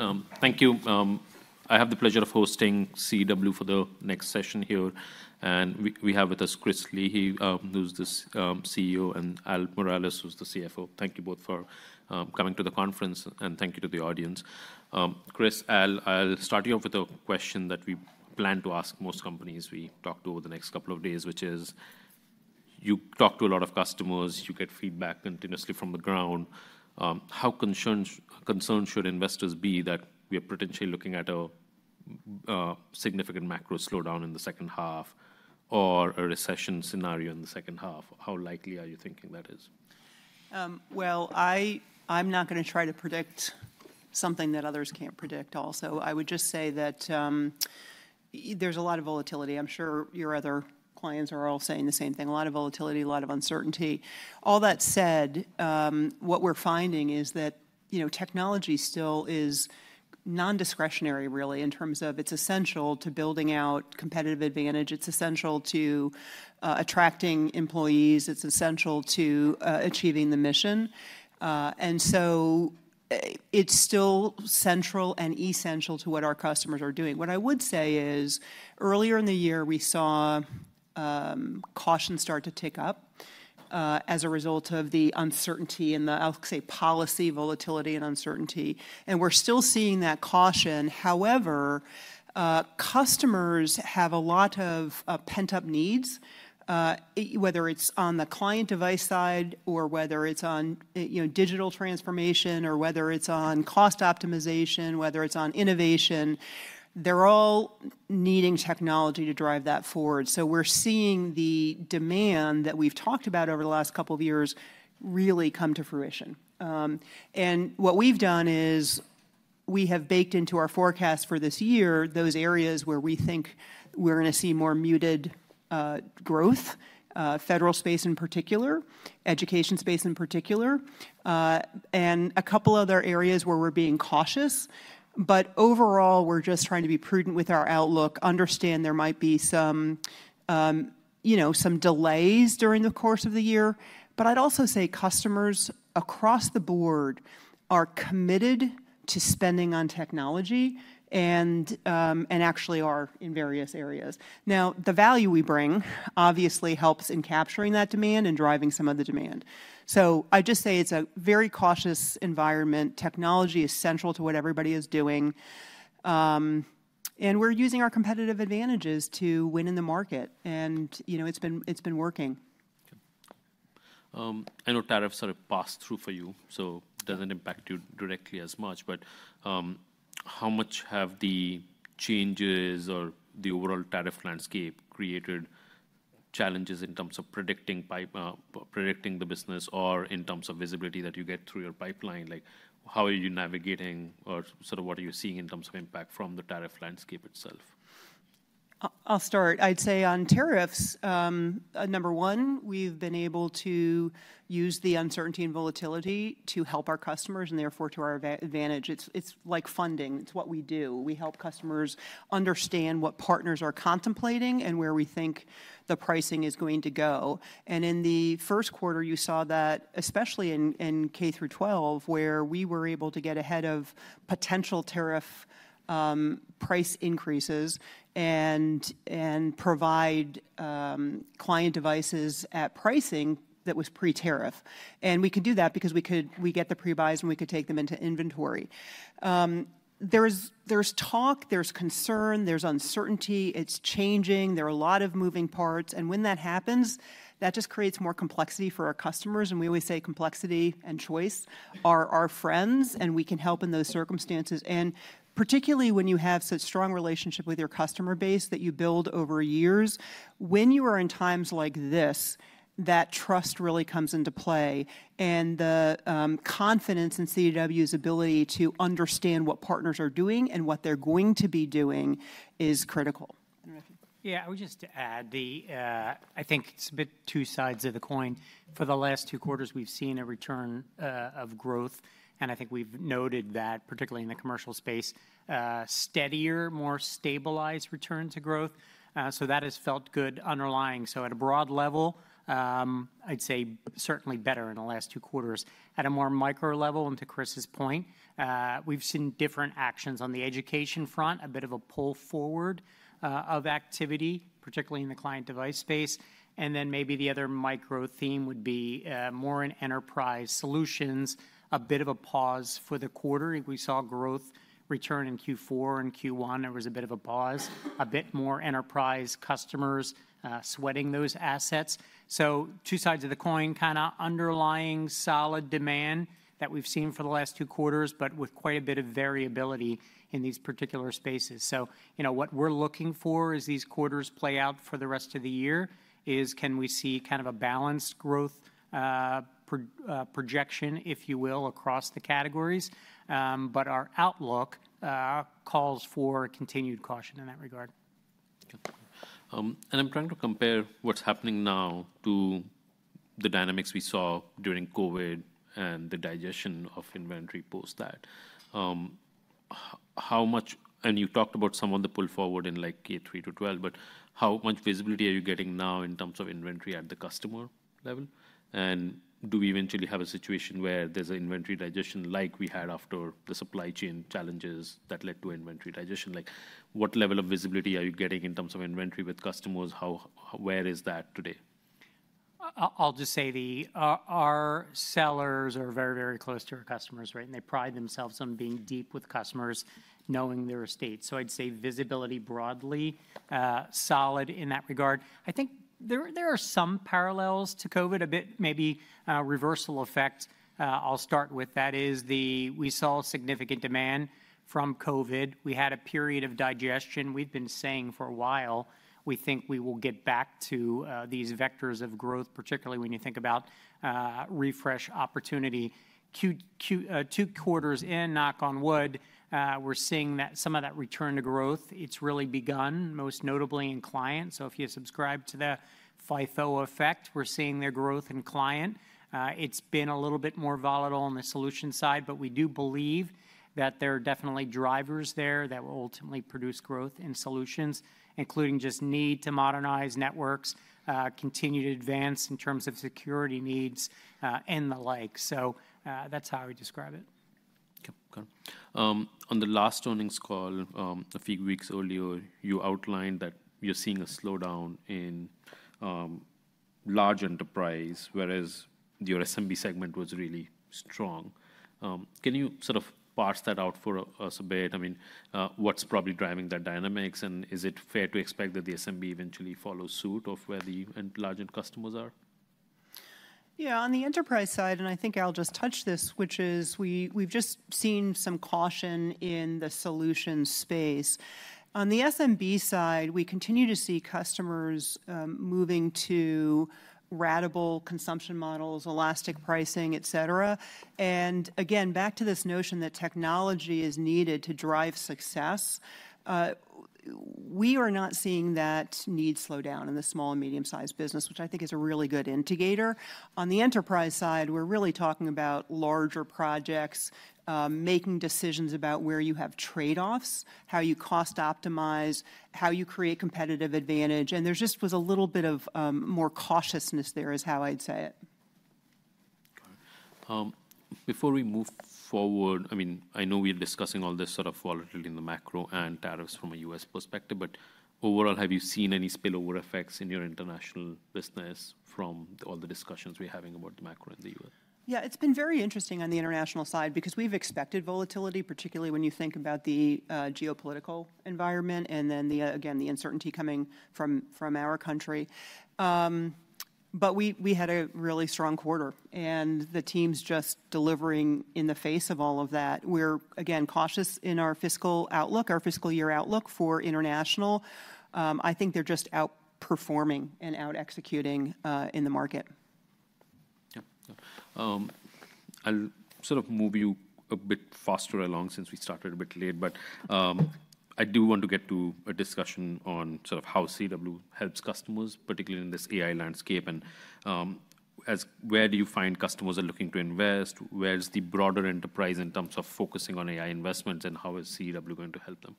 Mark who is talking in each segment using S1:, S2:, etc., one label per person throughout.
S1: Great. Thank you. I have the pleasure of hosting CDW for the next session here. We have with us Chris Leahy, who's the CEO, and Al Miralles, who's the CFO. Thank you both for coming to the conference, and thank you to the audience. Chris, Al, I'll start you off with a question that we plan to ask most companies we talk to over the next couple of days, which is, you talk to a lot of customers, you get feedback continuously from the ground. How concerned should investors be that we are potentially looking at a significant macro slowdown in the second half, or a recession scenario in the second half? How likely are you thinking that is?
S2: I'm not going to try to predict something that others can't predict also. I would just say that there's a lot of volatility. I'm sure your other clients are all saying the same thing. A lot of volatility, a lot of uncertainty. All that said, what we're finding is that technology still is non-discretionary, really, in terms of it's essential to building out competitive advantage. It's essential to attracting employees. It's essential to achieving the mission. It is still central and essential to what our customers are doing. What I would say is, earlier in the year, we saw caution start to tick up as a result of the uncertainty and the, I'll say, policy volatility and uncertainty. We're still seeing that caution. However, customers have a lot of pent-up needs, whether it's on the client device side or whether it's on digital transformation or whether it's on cost optimization, whether it's on innovation. They are all needing technology to drive that forward. We are seeing the demand that we have talked about over the last couple of years really come to fruition. What we have done is we have baked into our forecast for this year those areas where we think we are going to see more muted growth, federal space in particular, education space in particular, and a couple other areas where we are being cautious. Overall, we are just trying to be prudent with our outlook, understand there might be some delays during the course of the year. I would also say customers across the board are committed to spending on technology and actually are in various areas. Now, the value we bring obviously helps in capturing that demand and driving some of the demand. I'd just say it's a very cautious environment. Technology is central to what everybody is doing. We're using our competitive advantages to win in the market. It's been working.
S1: I know tariffs are a pass-through for you, so it doesn't impact you directly as much. How much have the changes or the overall tariff landscape created challenges in terms of predicting the business or in terms of visibility that you get through your pipeline? How are you navigating or sort of what are you seeing in terms of impact from the tariff landscape itself?
S2: I'll start. I'd say on tariffs, number one, we've been able to use the uncertainty and volatility to help our customers and therefore to our advantage. It's like funding. It's what we do. We help customers understand what partners are contemplating and where we think the pricing is going to go. In the first quarter, you saw that, especially in K-12, where we were able to get ahead of potential tariff price increases and provide client devices at pricing that was pre-tariff. We could do that because we get the pre-buys and we could take them into inventory. There's talk, there's concern, there's uncertainty. It's changing. There are a lot of moving parts. When that happens, that just creates more complexity for our customers. We always say complexity and choice are our friends, and we can help in those circumstances. Particularly when you have such a strong relationship with your customer base that you build over years, when you are in times like this, that trust really comes into play. The confidence in CDW's ability to understand what partners are doing and what they're going to be doing is critical.
S3: Yeah, I would just add, I think it's a bit two sides of the coin. For the last two quarters, we've seen a return of growth. I think we've noted that, particularly in the commercial space, steadier, more stabilized return to growth. That has felt good underlying. At a broad level, I'd say certainly better in the last two quarters. At a more micro level, and to Chris's point, we've seen different actions on the education front, a bit of a pull forward of activity, particularly in the client device space. Maybe the other micro theme would be more in enterprise solutions, a bit of a pause for the quarter. We saw growth return in Q4 and Q1. There was a bit of a pause, a bit more enterprise customers sweating those assets. Two sides of the coin, kind of underlying solid demand that we've seen for the last two quarters, but with quite a bit of variability in these particular spaces. What we're looking for as these quarters play out for the rest of the year is can we see kind of a balanced growth projection, if you will, across the categories. Our outlook calls for continued caution in that regard.
S1: I'm trying to compare what's happening now to the dynamics we saw during COVID and the digestion of inventory post that. You talked about some of the pull forward in K-12, but how much visibility are you getting now in terms of inventory at the customer level? Do we eventually have a situation where there's an inventory digestion like we had after the supply chain challenges that led to inventory digestion? What level of visibility are you getting in terms of inventory with customers? Where is that today?
S3: I'll just say our sellers are very, very close to our customers, right? They pride themselves on being deep with customers, knowing their estates. I'd say visibility broadly solid in that regard. I think there are some parallels to COVID, a bit maybe reversal effect. I'll start with that. We saw significant demand from COVID. We had a period of digestion. We've been saying for a while we think we will get back to these vectors of growth, particularly when you think about refresh opportunity. Two quarters in, knock on wood, we're seeing some of that return to growth. It's really begun, most notably in clients. If you subscribe to the FIFO effect, we're seeing their growth in client. It's been a little bit more volatile on the solution side, but we do believe that there are definitely drivers there that will ultimately produce growth in solutions, including just need to modernize networks, continue to advance in terms of security needs, and the like. That is how I would describe it.
S1: On the last earnings call a few weeks earlier, you outlined that you're seeing a slowdown in large enterprise, whereas your SMB segment was really strong. Can you sort of parse that out for us a bit? I mean, what's probably driving that dynamics? Is it fair to expect that the SMB eventually follow suit of where the large customers are?
S2: Yeah, on the enterprise side, and I think Al just touched this, which is we've just seen some caution in the solution space. On the SMB side, we continue to see customers moving to ratable consumption models, elastic pricing, et cetera. Again, back to this notion that technology is needed to drive success, we are not seeing that need slow down in the small and medium-sized business, which I think is a really good indicator. On the enterprise side, we're really talking about larger projects, making decisions about where you have trade-offs, how you cost optimize, how you create competitive advantage. There just was a little bit of more cautiousness there is how I'd say it.
S1: Before we move forward, I mean, I know we're discussing all this sort of volatility in the macro and tariffs from a U.S. perspective, but overall, have you seen any spillover effects in your international business from all the discussions we're having about the macro in the U.S.?
S2: Yeah, it's been very interesting on the international side because we've expected volatility, particularly when you think about the geopolitical environment and then, again, the uncertainty coming from our country. We had a really strong quarter. The teams are just delivering in the face of all of that. We're, again, cautious in our fiscal outlook, our fiscal year outlook for international. I think they're just outperforming and out-executing in the market.
S1: I'll sort of move you a bit faster along since we started a bit late, but I do want to get to a discussion on sort of how CDW helps customers, particularly in this AI landscape. Where do you find customers are looking to invest? Where's the broader enterprise in terms of focusing on AI investments? How is CDW going to help them?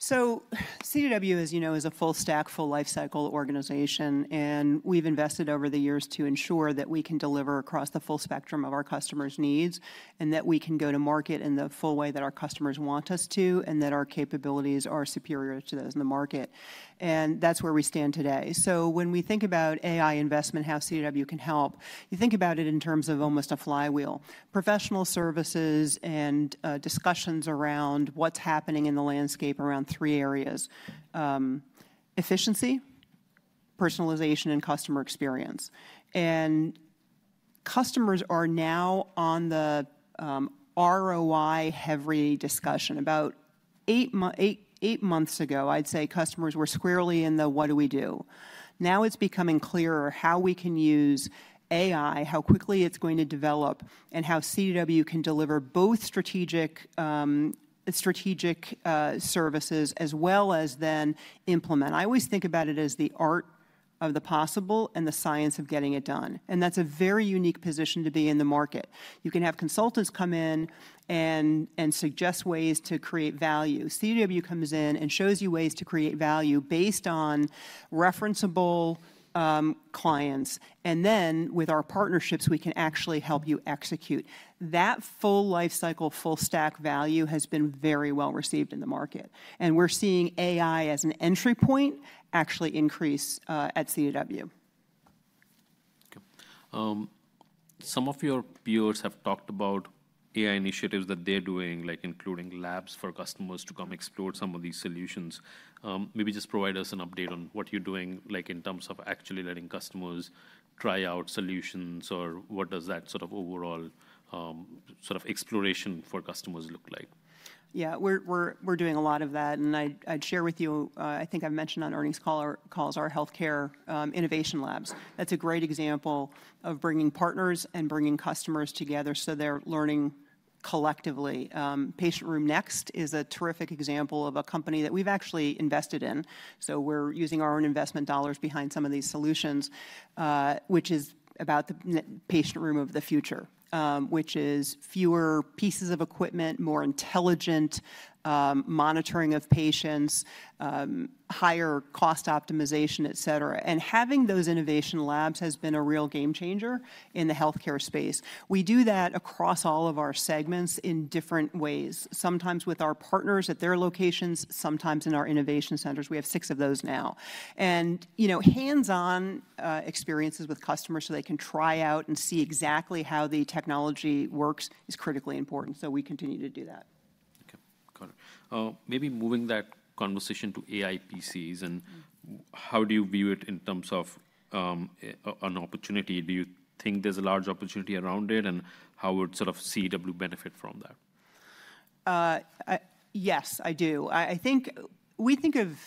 S2: CDW, as you know, is a full-stack, full-life-cycle organization. We have invested over the years to ensure that we can deliver across the full spectrum of our customers' needs and that we can go to market in the full way that our customers want us to and that our capabilities are superior to those in the market. That is where we stand today. When we think about AI investment, how CDW can help, you think about it in terms of almost a flywheel. Professional services and discussions around what is happening in the landscape around three areas: efficiency, personalization, and customer experience. Customers are now on the ROI-heavy discussion. About eight months ago, I'd say customers were squarely in the, "What do we do?" Now it's becoming clearer how we can use AI, how quickly it's going to develop, and how CDW can deliver both strategic services as well as then implement. I always think about it as the art of the possible and the science of getting it done. That is a very unique position to be in the market. You can have consultants come in and suggest ways to create value. CDW comes in and shows you ways to create value based on referenceable clients. With our partnerships, we can actually help you execute. That full-life-cycle, full-stack value has been very well received in the market. We're seeing AI as an entry point actually increase at CDW.
S1: Some of your peers have talked about AI initiatives that they're doing, including labs for customers to come explore some of these solutions. Maybe just provide us an update on what you're doing in terms of actually letting customers try out solutions or what does that sort of overall sort of exploration for customers look like?
S2: Yeah, we're doing a lot of that. I'd share with you, I think I've mentioned on earnings calls, our healthcare innovation labs. That's a great example of bringing partners and bringing customers together so they're learning collectively. Patient Room 'Next' is a terrific example of a company that we've actually invested in. We're using our own investment dollars behind some of these solutions, which is about the patient room of the future, which is fewer pieces of equipment, more intelligent monitoring of patients, higher cost optimization, et cetera. Having those innovation labs has been a real game changer in the healthcare space. We do that across all of our segments in different ways, sometimes with our partners at their locations, sometimes in our innovation centers. We have six of those now. Hands-on experiences with customers so they can try out and see exactly how the technology works is critically important. We continue to do that.
S1: Maybe moving that conversation to AIPCs and how do you view it in terms of an opportunity? Do you think there's a large opportunity around it? How would sort of CDW benefit from that?
S2: Yes, I do. I think we think of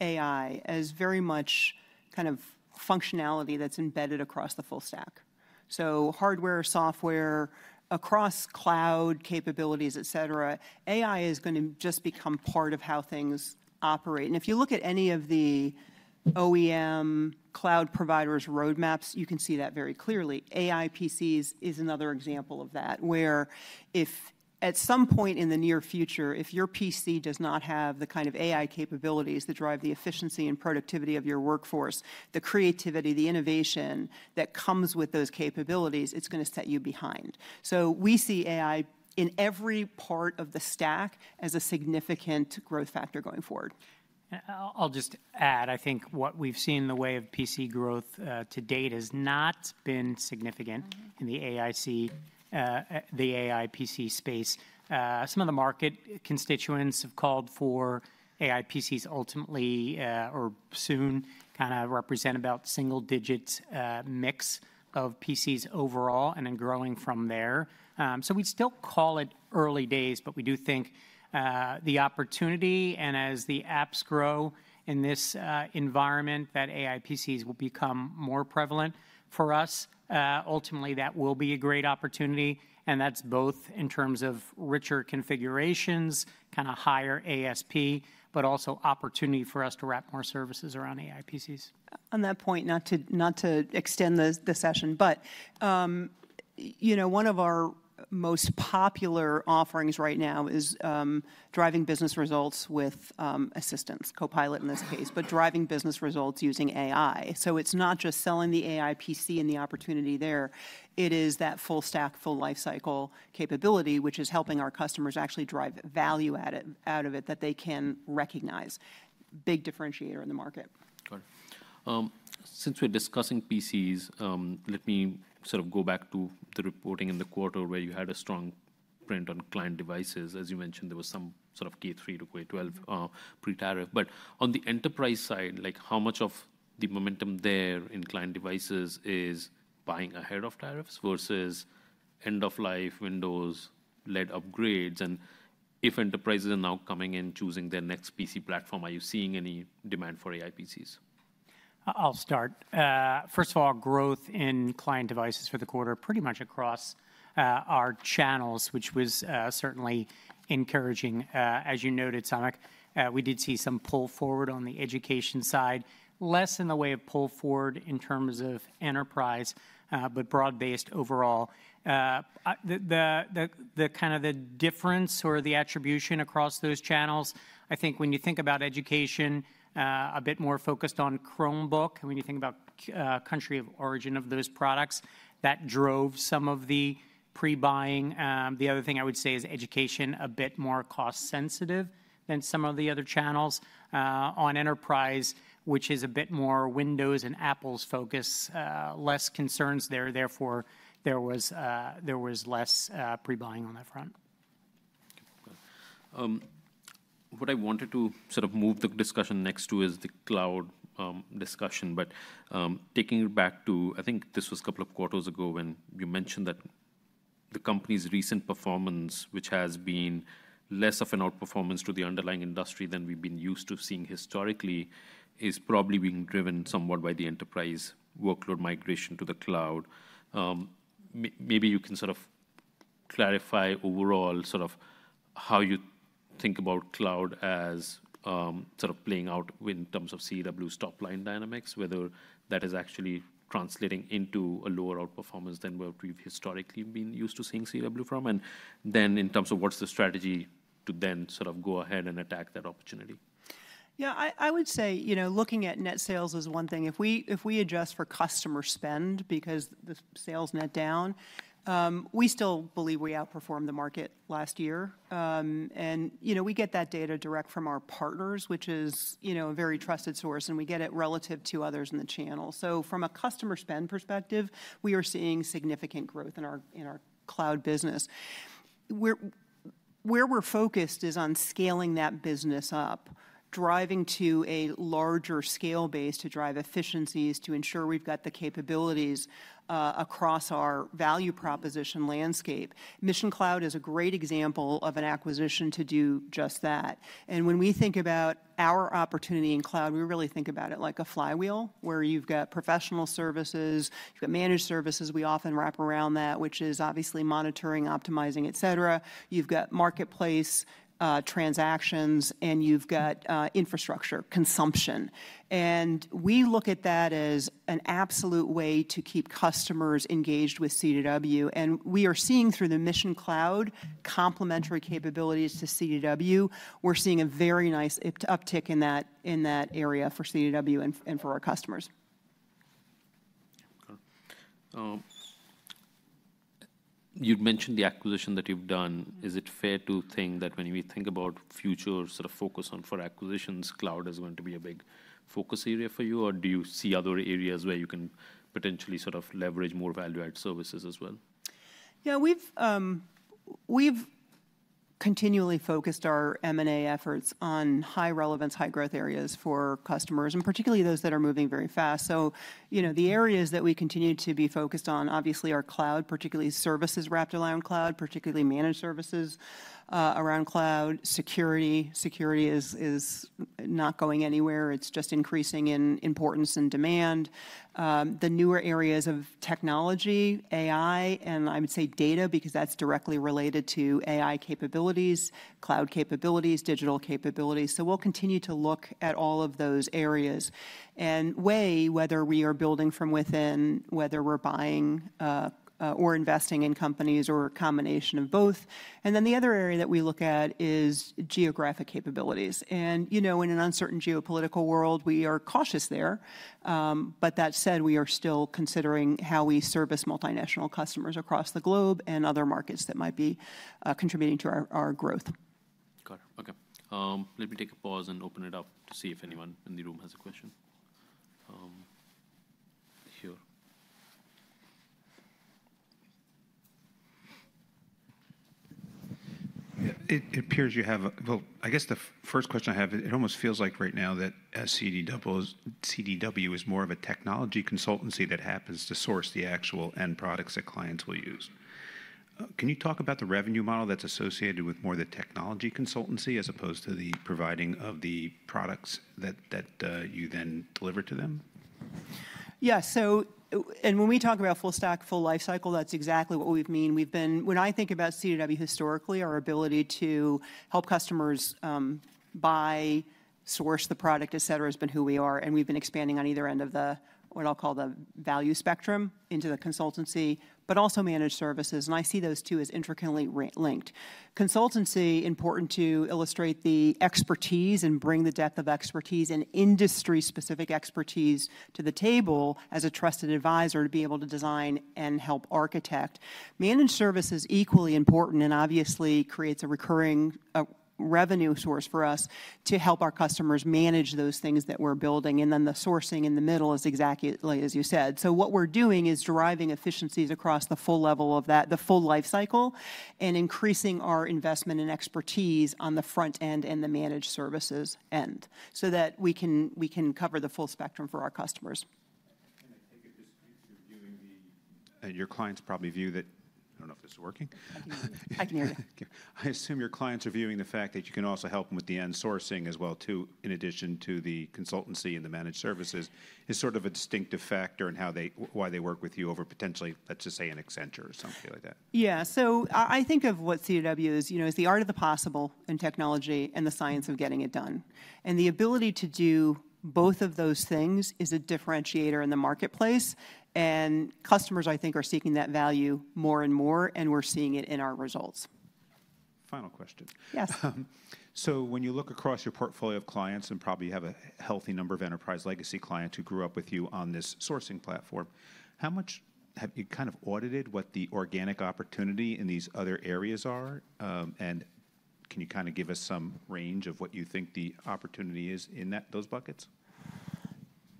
S2: AI as very much kind of functionality that's embedded across the full stack. Hardware, software, across cloud capabilities, et cetera, AI is going to just become part of how things operate. If you look at any of the OEM cloud providers' roadmaps, you can see that very clearly. AIPCs is another example of that, where if at some point in the near future, if your PC does not have the kind of AI capabilities that drive the efficiency and productivity of your workforce, the creativity, the innovation that comes with those capabilities, it's going to set you behind. We see AI in every part of the stack as a significant growth factor going forward.
S3: I'll just add, I think what we've seen the way of PC growth to date has not been significant in the AIPC space. Some of the market constituents have called for AIPCs ultimately or soon kind of represent about single-digit mix of PCs overall and then growing from there. We'd still call it early days, but we do think the opportunity and as the apps grow in this environment that AIPCs will become more prevalent for us, ultimately that will be a great opportunity. That's both in terms of richer configurations, kind of higher ASP, but also opportunity for us to wrap more services around AIPCs.
S2: On that point, not to extend the session, but one of our most popular offerings right now is driving business results with assistance, Copilot in this case, but driving business results using AI. It is not just selling the AIPC and the opportunity there. It is that full-stack, full-life-cycle capability, which is helping our customers actually drive value out of it that they can recognize. Big differentiator in the market.
S1: Since we're discussing PCs, let me sort of go back to the reporting in the quarter where you had a strong print on client devices. As you mentioned, there was some sort of K-12 pre-tariff. As for the enterprise side, how much of the momentum there in client devices is buying ahead of tariffs versus end-of-life Windows-led upgrades? If enterprises are now coming in choosing their next PC platform, are you seeing any demand for AIPCs?
S3: I'll start. First of all, growth in client devices for the quarter pretty much across our channels, which was certainly encouraging. As you noted, Samik, we did see some pull forward on the education side, less in the way of pull forward in terms of enterprise, but broad-based overall. The kind of difference or the attribution across those channels, I think when you think about education, a bit more focused on Chromebook, when you think about country of origin of those products, that drove some of the pre-buying. The other thing I would say is education a bit more cost-sensitive than some of the other channels. On enterprise, which is a bit more Windows and Apple focus, less concerns there. Therefore, there was less pre-buying on that front.
S1: What I wanted to sort of move the discussion next to is the cloud discussion. Taking it back to, I think this was a couple of quarters ago when you mentioned that the company's recent performance, which has been less of an outperformance to the underlying industry than we've been used to seeing historically, is probably being driven somewhat by the enterprise workload migration to the cloud. Maybe you can sort of clarify overall sort of how you think about cloud as sort of playing out in terms of CDW top-line dynamics, whether that is actually translating into a lower outperformance than what we've historically been used to seeing CDW from. In terms of what's the strategy to then sort of go ahead and attack that opportunity?
S2: Yeah, I would say looking at net sales is one thing. If we adjust for customer spend because the sales net down, we still believe we outperformed the market last year. We get that data direct from our partners, which is a very trusted source, and we get it relative to others in the channel. From a customer spend perspective, we are seeing significant growth in our cloud business. Where we're focused is on scaling that business up, driving to a larger scale base to drive efficiencies to ensure we've got the capabilities across our value proposition landscape. Mission Cloud is a great example of an acquisition to do just that. When we think about our opportunity in cloud, we really think about it like a flywheel where you've got professional services, you've got managed services. We often wrap around that, which is obviously monitoring, optimizing, et cetera. You have got marketplace transactions, and you have got infrastructure consumption. We look at that as an absolute way to keep customers engaged with CDW. We are seeing through the Mission Cloud complementary capabilities to CDW, we are seeing a very nice uptick in that area for CDW and for our customers.
S1: You'd mentioned the acquisition that you've done. Is it fair to think that when we think about future sort of focus on for acquisitions, cloud is going to be a big focus area for you? Or do you see other areas where you can potentially sort of leverage more value-added services as well?
S2: Yeah, we've continually focused our M&A efforts on high-relevance, high-growth areas for customers, and particularly those that are moving very fast. The areas that we continue to be focused on, obviously, are cloud, particularly services wrapped around cloud, particularly managed services around cloud, security. Security is not going anywhere. It's just increasing in importance and demand. The newer areas of technology, AI, and I would say data because that's directly related to AI capabilities, cloud capabilities, digital capabilities. We will continue to look at all of those areas and weigh whether we are building from within, whether we're buying or investing in companies or a combination of both. The other area that we look at is geographic capabilities. In an uncertain geopolitical world, we are cautious there. That said, we are still considering how we service multinational customers across the globe and other markets that might be contributing to our growth.
S1: Okay. Let me take a pause and open it up to see if anyone in the room has a question. Sure. It appears you have, well, I guess the first question I have, it almost feels like right now that CDW is more of a technology consultancy that happens to source the actual end products that clients will use. Can you talk about the revenue model that's associated with more of the technology consultancy as opposed to the providing of the products that you then deliver to them?
S2: Yeah. When we talk about full-stack, full-lifecycle, that's exactly what we mean. When I think about CDW historically, our ability to help customers buy, source the product, et cetera, has been who we are. We've been expanding on either end of what I'll call the value spectrum into the consultancy, but also managed services. I see those two as intricately linked. Consultancy is important to illustrate the expertise and bring the depth of expertise and industry-specific expertise to the table as a trusted advisor to be able to design and help architect. Managed services are equally important and obviously create a recurring revenue source for us to help our customers manage those things that we're building. The sourcing in the middle is exactly as you said. What we're doing is driving efficiencies across the full level of that, the full lifecycle, and increasing our investment and expertise on the front end and the managed services end so that we can cover the full spectrum for our customers.
S1: Can I take a dispute to viewing the. Your clients probably view that. I don't know if this is working.
S2: I can hear you. I assume your clients are viewing the fact that you can also help them with the end sourcing as well too, in addition to the consultancy and the managed services is sort of a distinctive factor in why they work with you over potentially, let's just say, an Accenture or something like that. Yeah. I think of what CDW is the art of the possible in technology and the science of getting it done. The ability to do both of those things is a differentiator in the marketplace. Customers, I think, are seeking that value more and more, and we're seeing it in our results. Final question. Yes. When you look across your portfolio of clients, and probably you have a healthy number of enterprise legacy clients who grew up with you on this sourcing platform, how much have you kind of audited what the organic opportunity in these other areas are? Can you kind of give us some range of what you think the opportunity is in those buckets?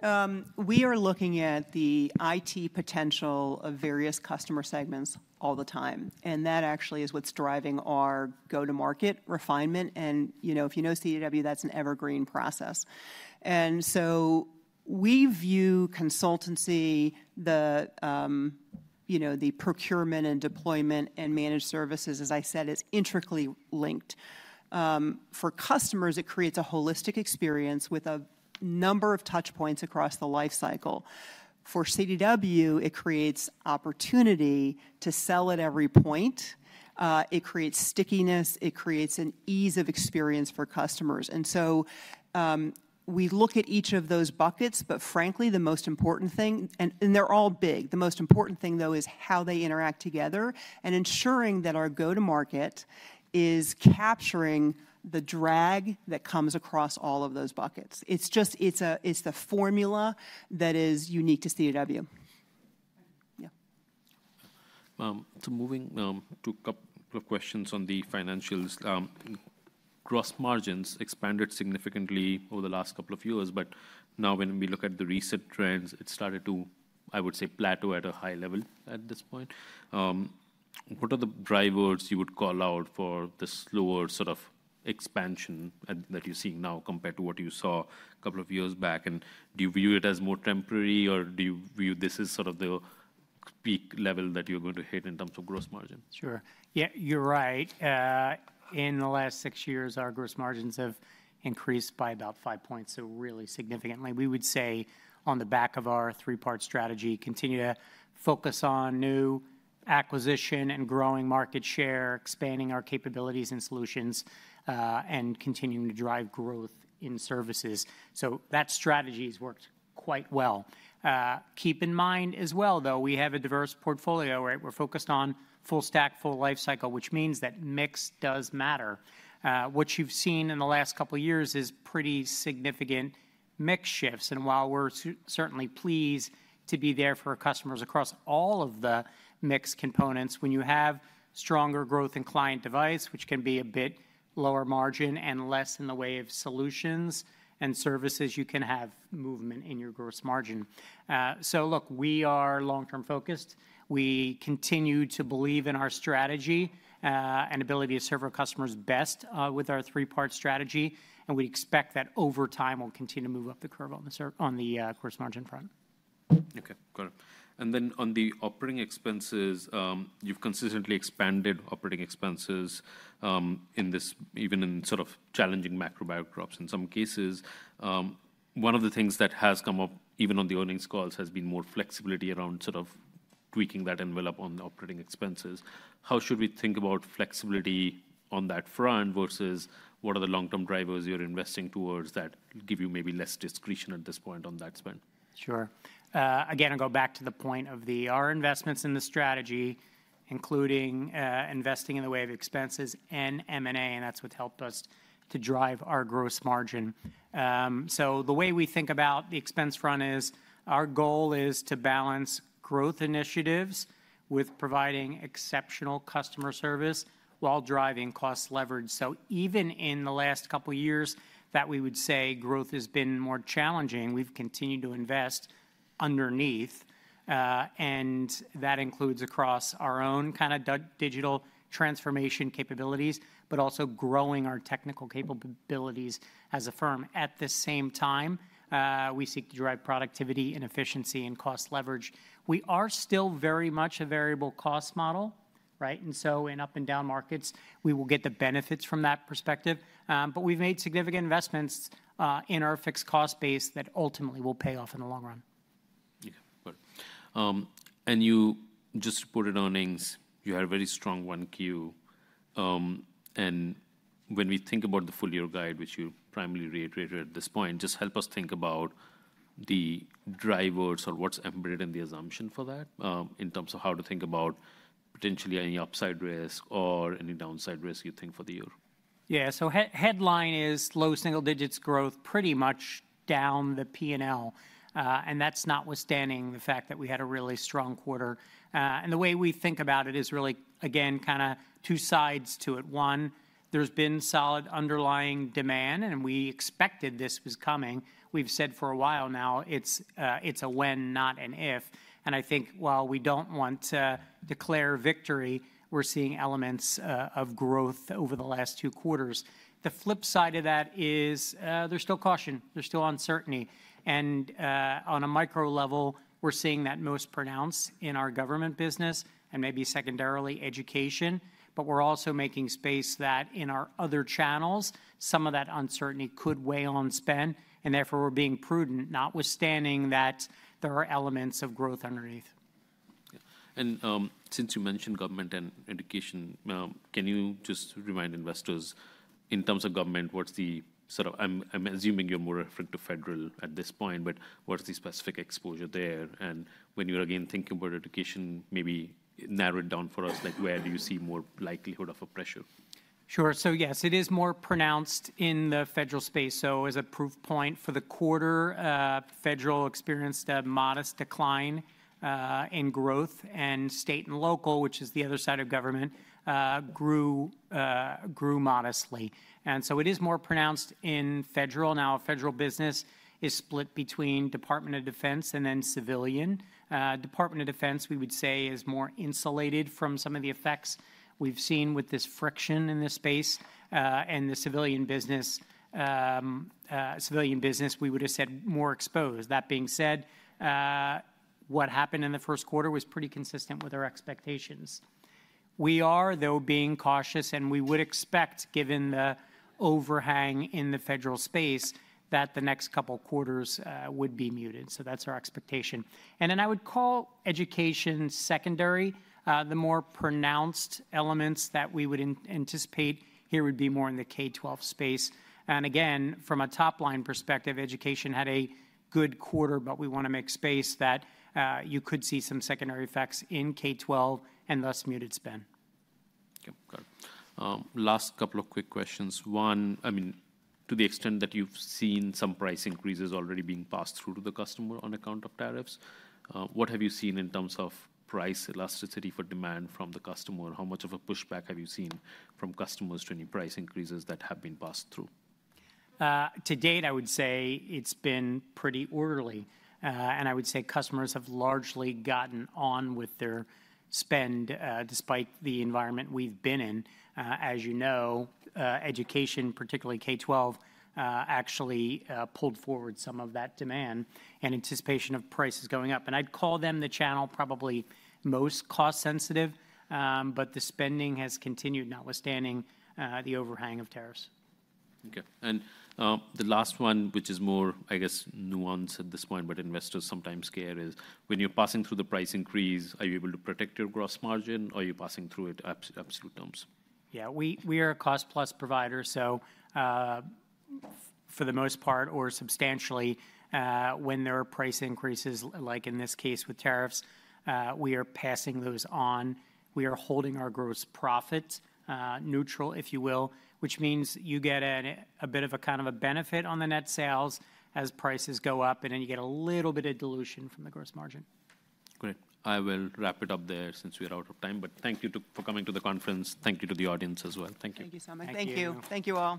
S2: We are looking at the IT potential of various customer segments all the time. That actually is what's driving our go-to-market refinement. If you know CDW, that's an evergreen process. We view consultancy, the procurement and deployment and managed services, as I said, is intricately linked. For customers, it creates a holistic experience with a number of touch points across the lifecycle. For CDW, it creates opportunity to sell at every point. It creates stickiness. It creates an ease of experience for customers. We look at each of those buckets, but frankly, the most important thing, and they're all big, the most important thing, though, is how they interact together and ensuring that our go-to-market is capturing the drag that comes across all of those buckets. It's the formula that is unique to CDW. Yeah.
S1: Moving to a couple of questions on the financials. Gross margins expanded significantly over the last couple of years, but now when we look at the recent trends, it started to, I would say, plateau at a high level at this point. What are the drivers you would call out for the slower sort of expansion that you're seeing now compared to what you saw a couple of years back? Do you view it as more temporary, or do you view this as sort of the peak level that you're going to hit in terms of gross margin?
S3: Sure. Yeah, you're right. In the last six years, our gross margins have increased by about five points, so really significantly. We would say on the back of our three-part strategy, continue to focus on new acquisition and growing market share, expanding our capabilities and solutions, and continuing to drive growth in services. That strategy has worked quite well. Keep in mind as well, though, we have a diverse portfolio, right? We're focused on full stack, full lifecycle, which means that mix does matter. What you've seen in the last couple of years is pretty significant mix shifts. While we're certainly pleased to be there for our customers across all of the mix components, when you have stronger growth in client device, which can be a bit lower margin and less in the way of solutions and services, you can have movement in your gross margin. Look, we are long-term focused. We continue to believe in our strategy and ability to serve our customers best with our three-part strategy. We expect that over time, we'll continue to move up the curve on the gross margin front.
S1: Okay. Got it. On the operating expenses, you've consistently expanded operating expenses in this even in sort of challenging macro backdrops. In some cases, one of the things that has come up even on the earnings calls has been more flexibility around sort of tweaking that envelope on the operating expenses. How should we think about flexibility on that front versus what are the long-term drivers you're investing towards that give you maybe less discretion at this point on that spend?
S3: Sure. Again, I'll go back to the point of our investments in the strategy, including investing in the way of expenses and M&A, and that's what's helped us to drive our gross margin. The way we think about the expense front is our goal is to balance growth initiatives with providing exceptional customer service while driving cost leverage. Even in the last couple of years that we would say growth has been more challenging, we've continued to invest underneath. That includes across our own kind of digital transformation capabilities, but also growing our technical capabilities as a firm. At the same time, we seek to drive productivity and efficiency and cost leverage. We are still very much a variable cost model, right? In up and down markets, we will get the benefits from that perspective. We have made significant investments in our fixed cost base that ultimately will pay off in the long run.
S1: Okay. Got it. You just reported earnings. You had a very strong Q1. When we think about the full year guide, which you primarily reiterated at this point, just help us think about the drivers or what's embedded in the assumption for that in terms of how to think about potentially any upside risk or any downside risk you think for the year.
S3: Yeah. Headline is low single digits growth pretty much down the P&L. That is notwithstanding the fact that we had a really strong quarter. The way we think about it is really, again, kind of two sides to it. One, there has been solid underlying demand, and we expected this was coming. We have said for a while now it is a when, not an if. I think while we do not want to declare victory, we are seeing elements of growth over the last two quarters. The flip side of that is there is still caution. There is still uncertainty. On a micro level, we are seeing that most pronounced in our government business and maybe secondarily education. We are also making space that in our other channels, some of that uncertainty could weigh on spend. Therefore, we are being prudent, notwithstanding that there are elements of growth underneath.
S1: Since you mentioned government and education, can you just remind investors in terms of government, what's the sort of, I'm assuming you're more referring to federal at this point, but what's the specific exposure there? When you're again thinking about education, maybe narrow it down for us, like where do you see more likelihood of a pressure?
S3: Sure. Yes, it is more pronounced in the federal space. As a proof point for the quarter, federal experienced a modest decline in growth, and state and local, which is the other side of government, grew modestly. It is more pronounced in federal. Now, federal business is split between Department of Defense and then civilian. Department of Defense, we would say, is more insulated from some of the effects we have seen with this friction in this space. The civilian business, civilian business, we would have said more exposed. That being said, what happened in the first quarter was pretty consistent with our expectations. We are, though, being cautious, and we would expect, given the overhang in the federal space, that the next couple of quarters would be muted. That is our expectation. I would call education secondary. The more pronounced elements that we would anticipate here would be more in the K-12 space. Again, from a top-line perspective, education had a good quarter, but we want to make space that you could see some secondary effects in K-12 and thus muted spend.
S1: Okay. Got it. Last couple of quick questions. One, I mean, to the extent that you've seen some price increases already being passed through to the customer on account of tariffs, what have you seen in terms of price elasticity for demand from the customer? How much of a pushback have you seen from customers to any price increases that have been passed through?
S3: To date, I would say it's been pretty orderly. I would say customers have largely gotten on with their spend despite the environment we've been in. As you know, education, particularly K-12, actually pulled forward some of that demand in anticipation of prices going up. I'd call them the channel probably most cost-sensitive, but the spending has continued, notwithstanding the overhang of tariffs.
S1: Okay. The last one, which is more, I guess, nuanced at this point, but investors sometimes care, is when you're passing through the price increase, are you able to protect your gross margin or are you passing through it at absolute terms?
S3: Yeah. We are a cost-plus provider. So for the most part, or substantially, when there are price increases, like in this case with tariffs, we are passing those on. We are holding our gross profits neutral, if you will, which means you get a bit of a kind of a benefit on the net sales as prices go up, and then you get a little bit of dilution from the gross margin.
S1: Great. I will wrap it up there since we are out of time. Thank you for coming to the conference. Thank you to the audience as well. Thank you.
S3: Thank you so much.
S2: Thank you. Thank you all.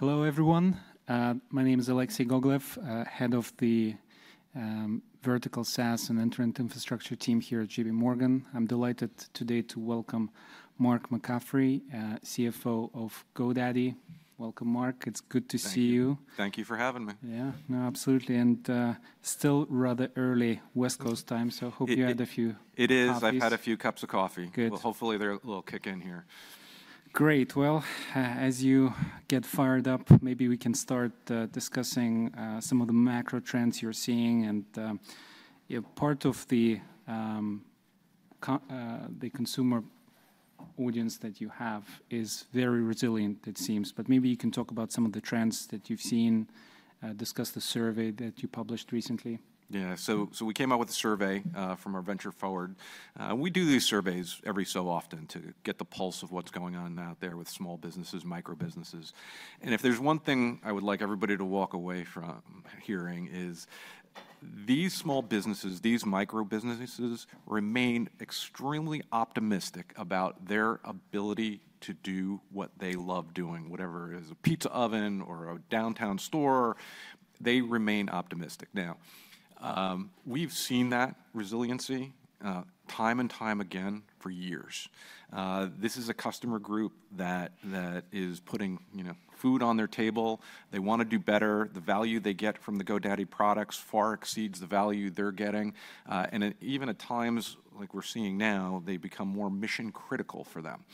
S4: Hello, everyone. My name is Alexei Gogolev, Head of the Vertical SaaS and End-to-end Infrastructure team here at JPMorgan. I'm delighted today to welcome Mark McCaffrey, CFO of GoDaddy. Welcome, Mark. It's good to see you.
S5: Thank you for having me.
S4: Yeah. No, absolutely. Still rather early West Coast time, so I hope you had a few.
S5: It is. I've had a few cups of coffee. Hopefully, they're a little kicking here.
S4: Great. As you get fired up, maybe we can start discussing some of the macro trends you're seeing. Part of the consumer audience that you have is very resilient, it seems. Maybe you can talk about some of the trends that you've seen, discuss the survey that you published recently.
S5: Yeah. We came out with a survey from our venture forward. We do these surveys every so often to get the pulse of what's going on out there with small businesses, micro businesses. If there's one thing I would like everybody to walk away from hearing, it is these small businesses, these micro businesses remain extremely optimistic about their ability to do what they love doing, whatever it is, a pizza oven or a downtown store. They remain optimistic. Now, we've seen that resiliency time and time again for years. This is a customer group that is putting food on their table. They want to do better. The value they get from the GoDaddy products far exceeds the value they're getting. Even at times like we're seeing now, they become more mission-critical for them.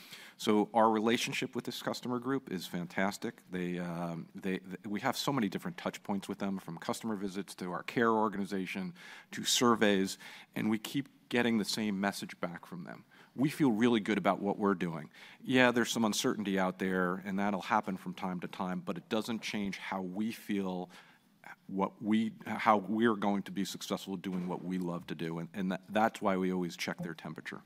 S5: Our relationship with this customer group is fantastic. We have so many different touch points with them, from customer visits to our care organization to surveys. We keep getting the same message back from them. We feel really good about what we're doing. Yeah, there's some uncertainty out there, and that'll happen from time to time, but it doesn't change how we feel how we are going to be successful doing what we love to do. That's why we always check their temperature.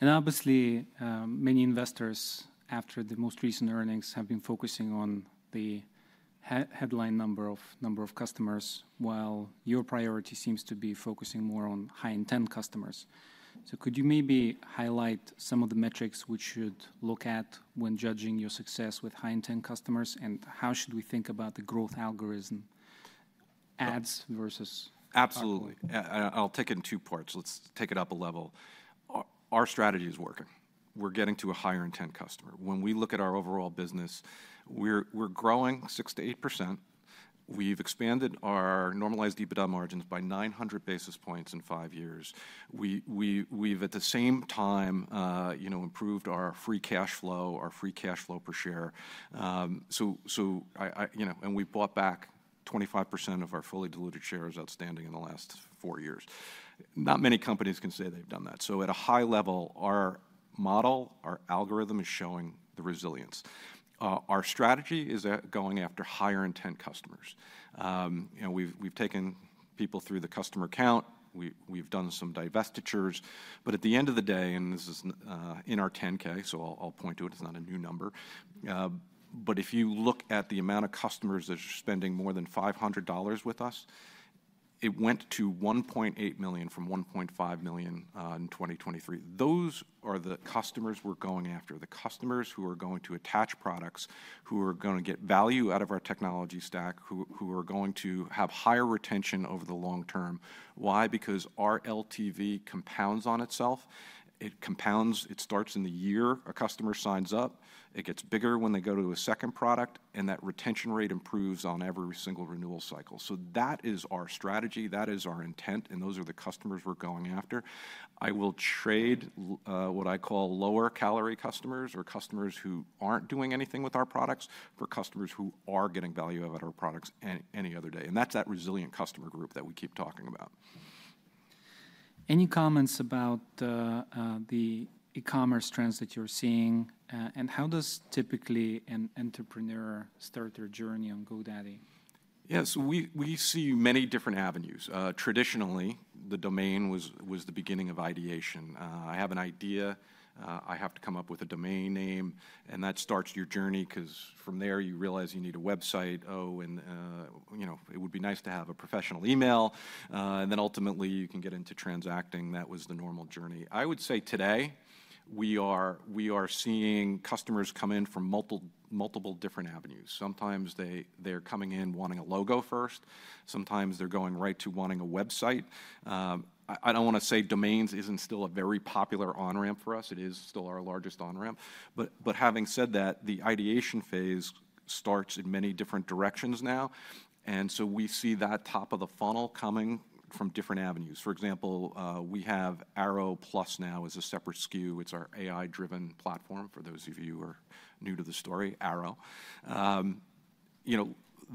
S4: Obviously, many investors, after the most recent earnings, have been focusing on the headline number of customers, while your priority seems to be focusing more on high-intent customers. Could you maybe highlight some of the metrics we should look at when judging your success with high-intent customers, and how should we think about the growth algorithm, ads versus?
S5: Absolutely. I'll take it in two parts. Let's take it up a level. Our strategy is working. We're getting to a higher-intent customer. When we look at our overall business, we're growing 6%-8%. We've expanded our normalized EBITDA margins by 900 basis points in five years. We've, at the same time, improved our free cash flow, our free cash flow per share. We bought back 25% of our fully diluted shares outstanding in the last four years. Not many companies can say they've done that. At a high level, our model, our algorithm is showing the resilience. Our strategy is going after higher-intent customers. We've taken people through the customer count. We've done some divestitures. At the end of the day, and this is in our 10-K, so I'll point to it. It's not a new number. If you look at the amount of customers that are spending more than $500 with us, it went to 1.8 million from 1.5 million in 2023. Those are the customers we're going after, the customers who are going to attach products, who are going to get value out of our technology stack, who are going to have higher retention over the long term. Why? Because our LTV compounds on itself. It compounds. It starts in the year a customer signs up. It gets bigger when they go to a second product, and that retention rate improves on every single renewal cycle. That is our strategy. That is our intent. Those are the customers we're going after. I will trade what I call lower-calorie customers or customers who aren't doing anything with our products for customers who are getting value out of our products any other day. That’s that resilient customer group that we keep talking about.
S4: Any comments about the e-commerce trends that you're seeing? How does typically an entrepreneur start their journey on GoDaddy?
S5: Yeah. So we see many different avenues. Traditionally, the domain was the beginning of ideation. I have an idea. I have to come up with a domain name. That starts your journey because from there, you realize you need a website. Oh, and it would be nice to have a professional email. Then ultimately, you can get into transacting. That was the normal journey. I would say today, we are seeing customers come in from multiple different avenues. Sometimes they're coming in wanting a logo first. Sometimes they're going right to wanting a website. I do not want to say domains is not still a very popular on-ramp for us. It is still our largest on-ramp. Having said that, the ideation phase starts in many different directions now. We see that top of the funnel coming from different avenues. For example, we have Airo Plus now as a separate SKU. It's our AI-driven platform for those of you who are new to the story, Airo.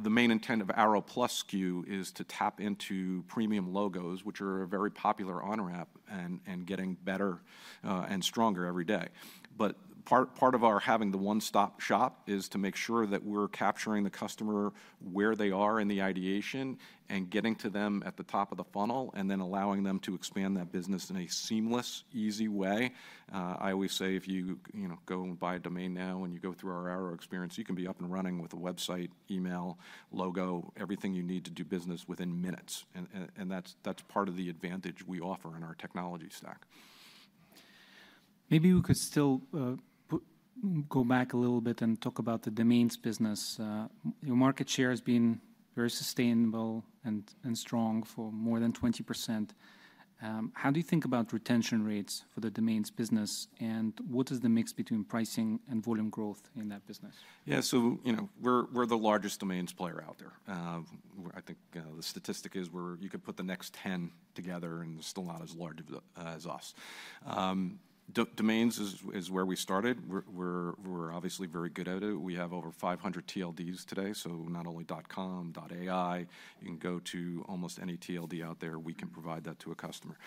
S5: The main intent of Airo Plus SKU is to tap into premium logos, which are a very popular on-ramp and getting better and stronger every day. Part of our having the one-stop shop is to make sure that we're capturing the customer where they are in the ideation and getting to them at the top of the funnel and then allowing them to expand that business in a seamless, easy way. I always say if you go and buy a domain now and you go through our Airo experience, you can be up and running with a website, email, logo, everything you need to do business within minutes. That's part of the advantage we offer in our technology stack.
S4: Maybe we could still go back a little bit and talk about the domains business. Your market share has been very sustainable and strong for more than 20%. How do you think about retention rates for the domains business? What is the mix between pricing and volume growth in that business?
S5: Yeah. So we're the largest domains player out there. I think the statistic is you could put the next 10 together, and it's still not as large as us. Domains is where we started. We're obviously very good at it. We have over 500 TLDs today. Not only .com, .ai, you can go to almost any TLD out there. We can provide that to a customer.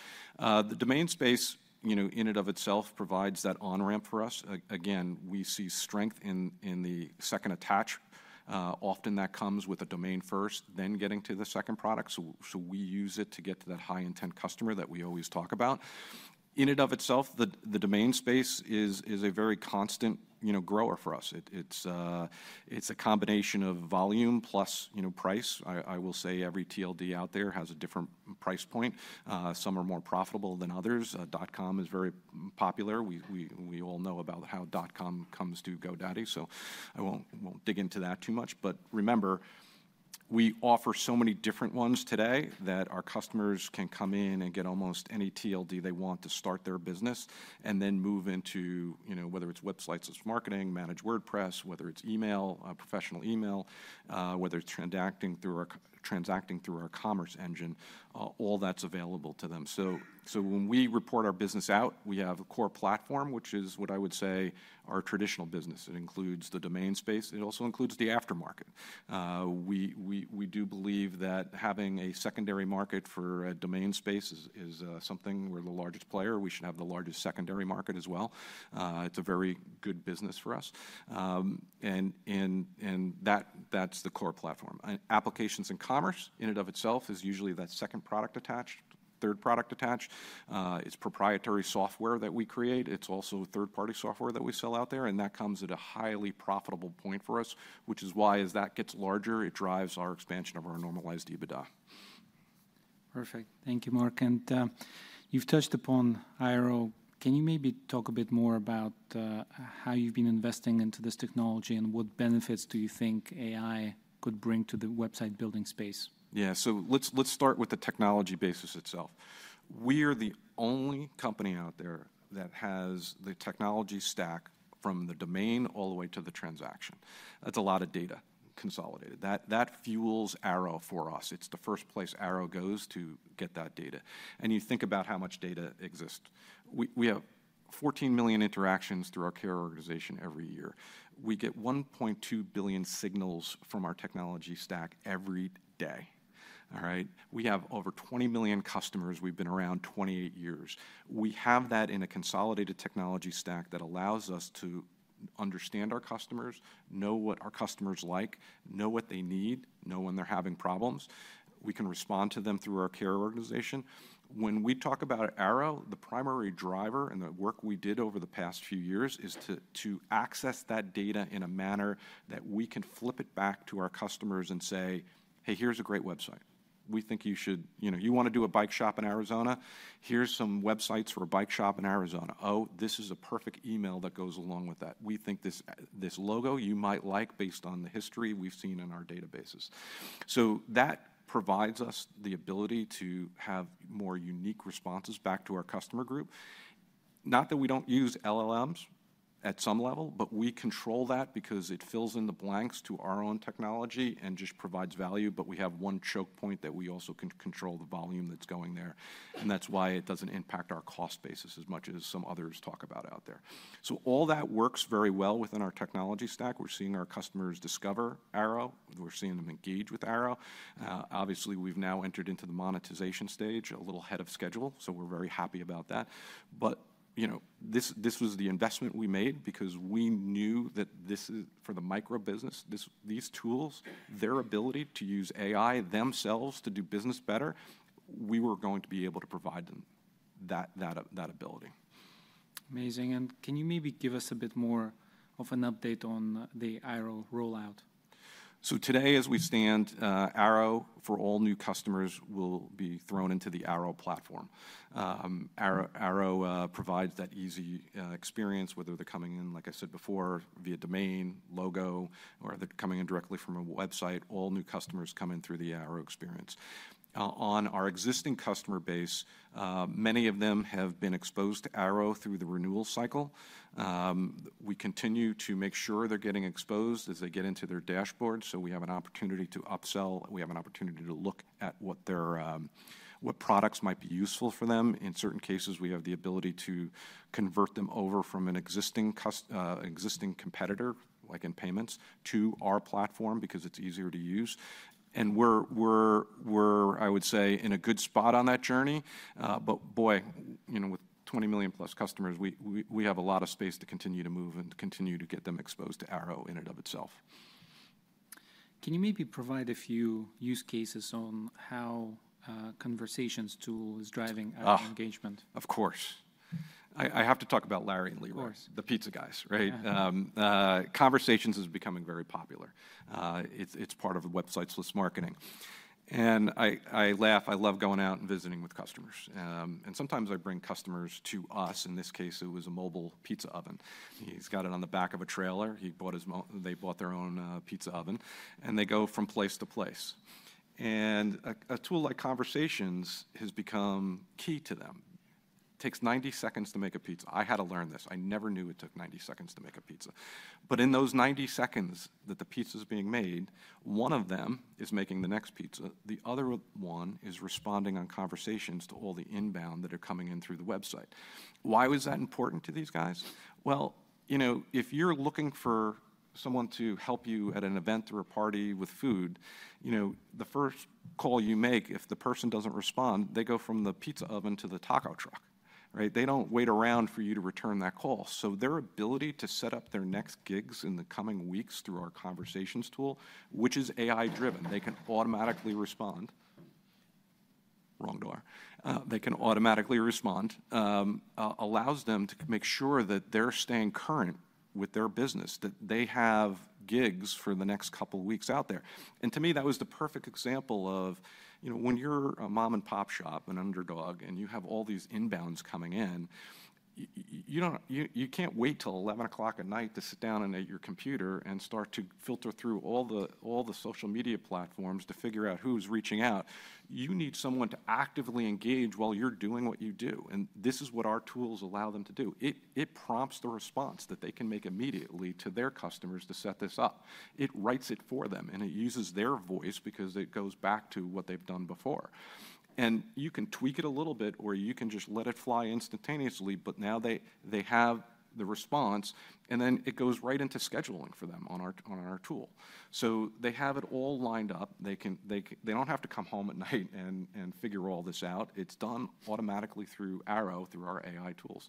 S5: The domain space in and of itself provides that on-ramp for us. Again, we see strength in the second attach. Often that comes with a domain first, then getting to the second product. We use it to get to that high-intent customer that we always talk about. In and of itself, the domain space is a very constant grower for us. It's a combination of volume plus price. I will say every TLD out there has a different price point. Some are more profitable than others. .com is very popular. We all know about how .com comes to GoDaddy. I won't dig into that too much. Remember, we offer so many different ones today that our customers can come in and get almost any TLD they want to start their business and then move into whether it's Websites + Marketing, Managed WordPress, whether it's Email, professional email, whether it's transacting through our Commerce engine. All that's available to them. When we report our business out, we have a core platform, which is what I would say our traditional business. It includes the domain space. It also includes the aftermarket. We do believe that having a secondary market for a domain space is something we're the largest player. We should have the largest secondary market as well. It's a very good business for us. That's the core platform. Applications and Commerce in and of itself is usually that second product attached, third product attached. It's proprietary software that we create. It's also third-party software that we sell out there. That comes at a highly profitable point for us, which is why as that gets larger, it drives our expansion of our normalized EBITDA.
S4: Perfect. Thank you, Mark. You have touched upon ROI. Can you maybe talk a bit more about how you have been investing into this technology and what benefits do you think AI could bring to the website building space?
S5: Yeah. Let's start with the technology basis itself. We are the only company out there that has the technology stack from the domain all the way to the transaction. That's a lot of data consolidated. That fuels Airo for us. It's the first place Airo goes to get that data. You think about how much data exists. We have 14 million interactions through our care organization every year. We get 1.2 billion signals from our technology stack every day. All right? We have over 20 million customers. We've been around 28 years. We have that in a consolidated technology stack that allows us to understand our customers, know what our customers like, know what they need, know when they're having problems. We can respond to them through our care organization. When we talk about Airo, the primary driver and the work we did over the past few years is to access that data in a manner that we can flip it back to our customers and say, "Hey, here's a great website. We think you want to do a bike shop in Arizona. Here's some websites for a bike shop in Arizona. Oh, this is a perfect email that goes along with that. We think this logo you might like based on the history we've seen in our databases." That provides us the ability to have more unique responses back to our customer group. Not that we don't use LLMs at some level, but we control that because it fills in the blanks to our own technology and just provides value. We have one choke point that we also can control the volume that's going there. That is why it does not impact our cost basis as much as some others talk about out there. All that works very well within our technology stack. We are seeing our customers discover Airo. We are seeing them engage with Airo. Obviously, we have now entered into the monetization stage, a little ahead of schedule. We are very happy about that. This was the investment we made because we knew that for the micro business, these tools, their ability to use AI themselves to do business better, we were going to be able to provide them that ability.
S4: Amazing. Can you maybe give us a bit more of an update on the AI rollout?
S5: Today, as we stand, Airo for all new customers will be thrown into the Airo platform. Airo provides that easy experience, whether they're coming in, like I said before, via domain, logo, or they're coming in directly from a website. All new customers come in through the Airo experience. On our existing customer base, many of them have been exposed to Airo through the renewal cycle. We continue to make sure they're getting exposed as they get into their dashboard. We have an opportunity to upsell. We have an opportunity to look at what products might be useful for them. In certain cases, we have the ability to convert them over from an existing competitor, like in payments, to our platform because it's easier to use. We're, I would say, in a good spot on that journey. With 20+ million customers, we have a lot of space to continue to move and continue to get them exposed to Airo in and of itself.
S4: Can you maybe provide a few use cases on how Conversations tool is driving engagement?
S5: Of course. I have to talk about Larry and Leroy, the pizza guys, right? Conversations is becoming very popular. It's part of Websites + Marketing. I laugh. I love going out and visiting with customers. Sometimes I bring customers to us. In this case, it was a mobile pizza oven. He's got it on the back of a trailer. They bought their own pizza oven. They go from place to place. A tool like Conversations has become key to them. It takes 90 seconds to make a pizza. I had to learn this. I never knew it took 90 seconds to make a pizza. In those 90 seconds that the pizza is being made, one of them is making the next pizza. The other one is responding on Conversations to all the inbound that are coming in through the website. Why was that important to these guys? If you're looking for someone to help you at an event or a party with food, the first call you make, if the person doesn't respond, they go from the pizza oven to the taco truck, right? They don't wait around for you to return that call. Their ability to set up their next gigs in the coming weeks through our Conversations tool, which is AI-driven, they can automatically respond. Wrong door. They can automatically respond. Allows them to make sure that they're staying current with their business, that they have gigs for the next couple of weeks out there. To me, that was the perfect example of when you're a mom-and-pop shop, an underdog, and you have all these inbounds coming in, you can't wait till 11:00 P.M. to sit down at your computer and start to filter through all the social media platforms to figure out who's reaching out. You need someone to actively engage while you're doing what you do. This is what our tools allow them to do. It prompts the response that they can make immediately to their customers to set this up. It writes it for them, and it uses their voice because it goes back to what they've done before. You can tweak it a little bit, or you can just let it fly instantaneously, but now they have the response, and then it goes right into scheduling for them on our tool. They have it all lined up. They do not have to come home at night and figure all this out. It is done automatically through Airo, through our AI tools.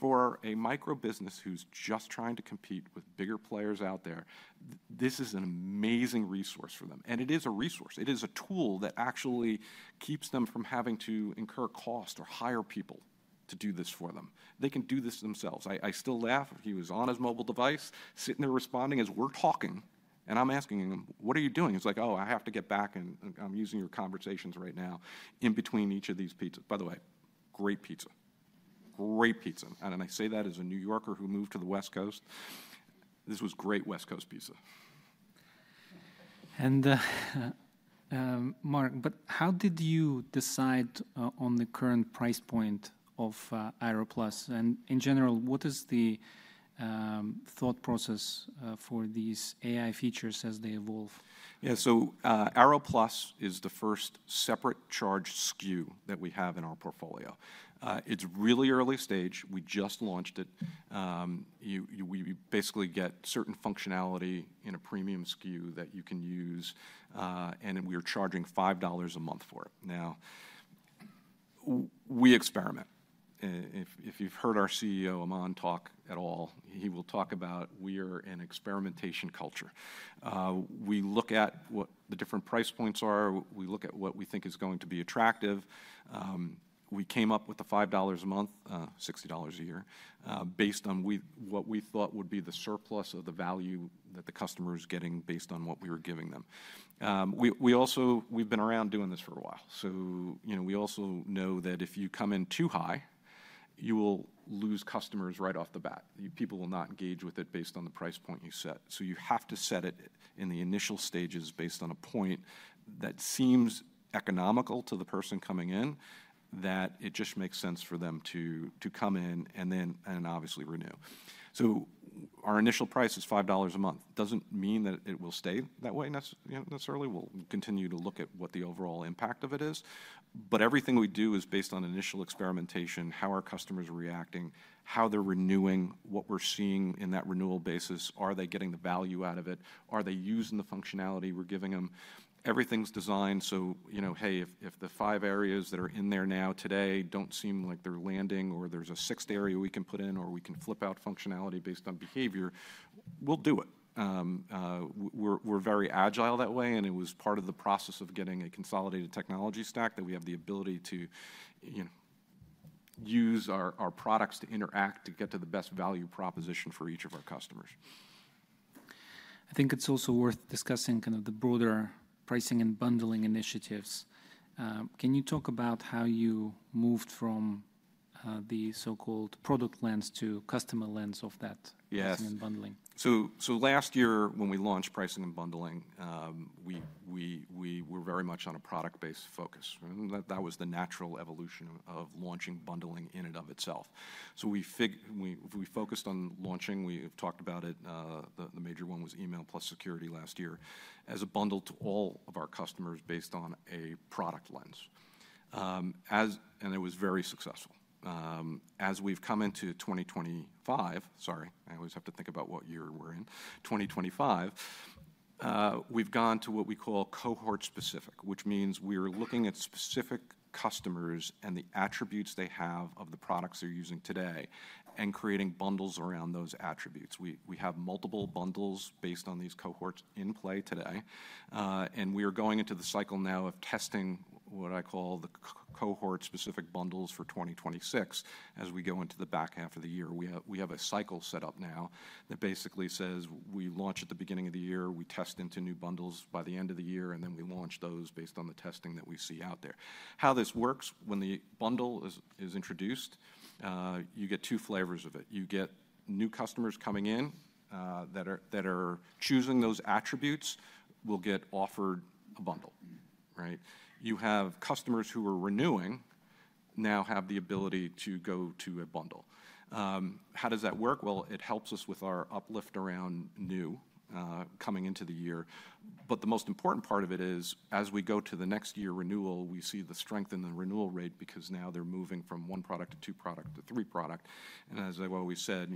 S5: For a micro business who is just trying to compete with bigger players out there, this is an amazing resource for them. It is a resource. It is a tool that actually keeps them from having to incur cost or hire people to do this for them. They can do this themselves. I still laugh. He was on his mobile device, sitting there responding as we are talking. I am asking him, "What are you doing?" He is like, "Oh, I have to get back, and I am using your Conversations right now in between each of these pizzas." By the way, great pizza. Great pizza. I say that as a New Yorker who moved to the West Coast. This was great West Coast pizza.
S4: Mark, how did you decide on the current price point of Airo Plus? In general, what is the thought process for these AI features as they evolve?
S5: Yeah. Airo Plus is the first separate charged SKU that we have in our portfolio. It's really early stage. We just launched it. We basically get certain functionality in a premium SKU that you can use, and we are charging $5 a month for it. Now, we experiment. If you've heard our CEO, Aman, talk at all, he will talk about we are an experimentation culture. We look at what the different price points are. We look at what we think is going to be attractive. We came up with the $5 a month, $60 a year, based on what we thought would be the surplus of the value that the customer is getting based on what we were giving them. We've been around doing this for a while. We also know that if you come in too high, you will lose customers right off the bat. People will not engage with it based on the price point you set. You have to set it in the initial stages based on a point that seems economical to the person coming in, that it just makes sense for them to come in and then obviously renew. Our initial price is $5 a month. Doesn't mean that it will stay that way necessarily. We'll continue to look at what the overall impact of it is. Everything we do is based on initial experimentation, how our customers are reacting, how they're renewing, what we're seeing in that renewal basis. Are they getting the value out of it? Are they using the functionality we're giving them? Everything's designed. If the five areas that are in there now today do not seem like they are landing, or there is a sixth area we can put in, or we can flip out functionality based on behavior, we will do it. We are very agile that way, and it was part of the process of getting a consolidated technology stack that we have the ability to use our products to interact to get to the best value proposition for each of our customers.
S4: I think it's also worth discussing kind of the broader pricing and bundling initiatives. Can you talk about how you moved from the so-called product lens to customer lens of that pricing and bundling?
S5: Yes. Last year, when we launched pricing and bundling, we were very much on a product-based focus. That was the natural evolution of launching bundling in and of itself. We focused on launching. We have talked about it. The major one was Email plus Security last year as a bundle to all of our customers based on a product lens. It was very successful. As we've come into 2025, sorry, I always have to think about what year we're in, 2025, we've gone to what we call cohort-specific, which means we are looking at specific customers and the attributes they have of the products they're using today and creating bundles around those attributes. We have multiple bundles based on these cohorts in play today. We are going into the cycle now of testing what I call the cohort-specific bundles for 2026 as we go into the back half of the year. We have a cycle set up now that basically says we launch at the beginning of the year, we test into new bundles by the end of the year, and then we launch those based on the testing that we see out there. How this works, when the bundle is introduced, you get two flavors of it. You get new customers coming in that are choosing those attributes. We'll get offered a bundle, right? You have customers who are renewing now have the ability to go to a bundle. How does that work? It helps us with our uplift around new coming into the year. The most important part of it is as we go to the next year renewal, we see the strength in the renewal rate because now they're moving from one product to two product to three product. As I've always said,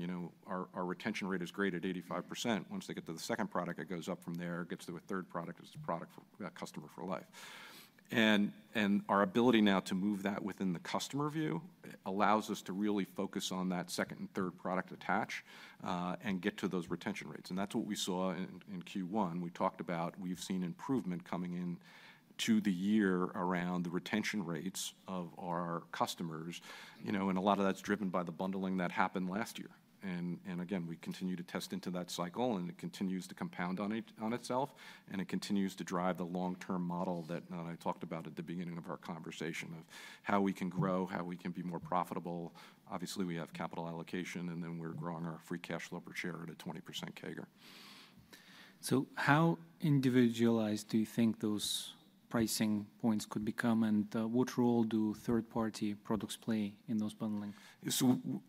S5: our retention rate is great at 85%. Once they get to the second product, it goes up from there, gets to a third product, it's a product for a customer for life. Our ability now to move that within the customer view allows us to really focus on that second and third product attach and get to those retention rates. That's what we saw in Q1. We talked about we've seen improvement coming into the year around the retention rates of our customers. A lot of that's driven by the bundling that happened last year. Again, we continue to test into that cycle, and it continues to compound on itself, and it continues to drive the long-term model that I talked about at the beginning of our conversation of how we can grow, how we can be more profitable. Obviously, we have capital allocation, and then we're growing our free cash flow per share at a 20% CAGR.
S4: How individualized do you think those pricing points could become, and what role do third-party products play in those bundling?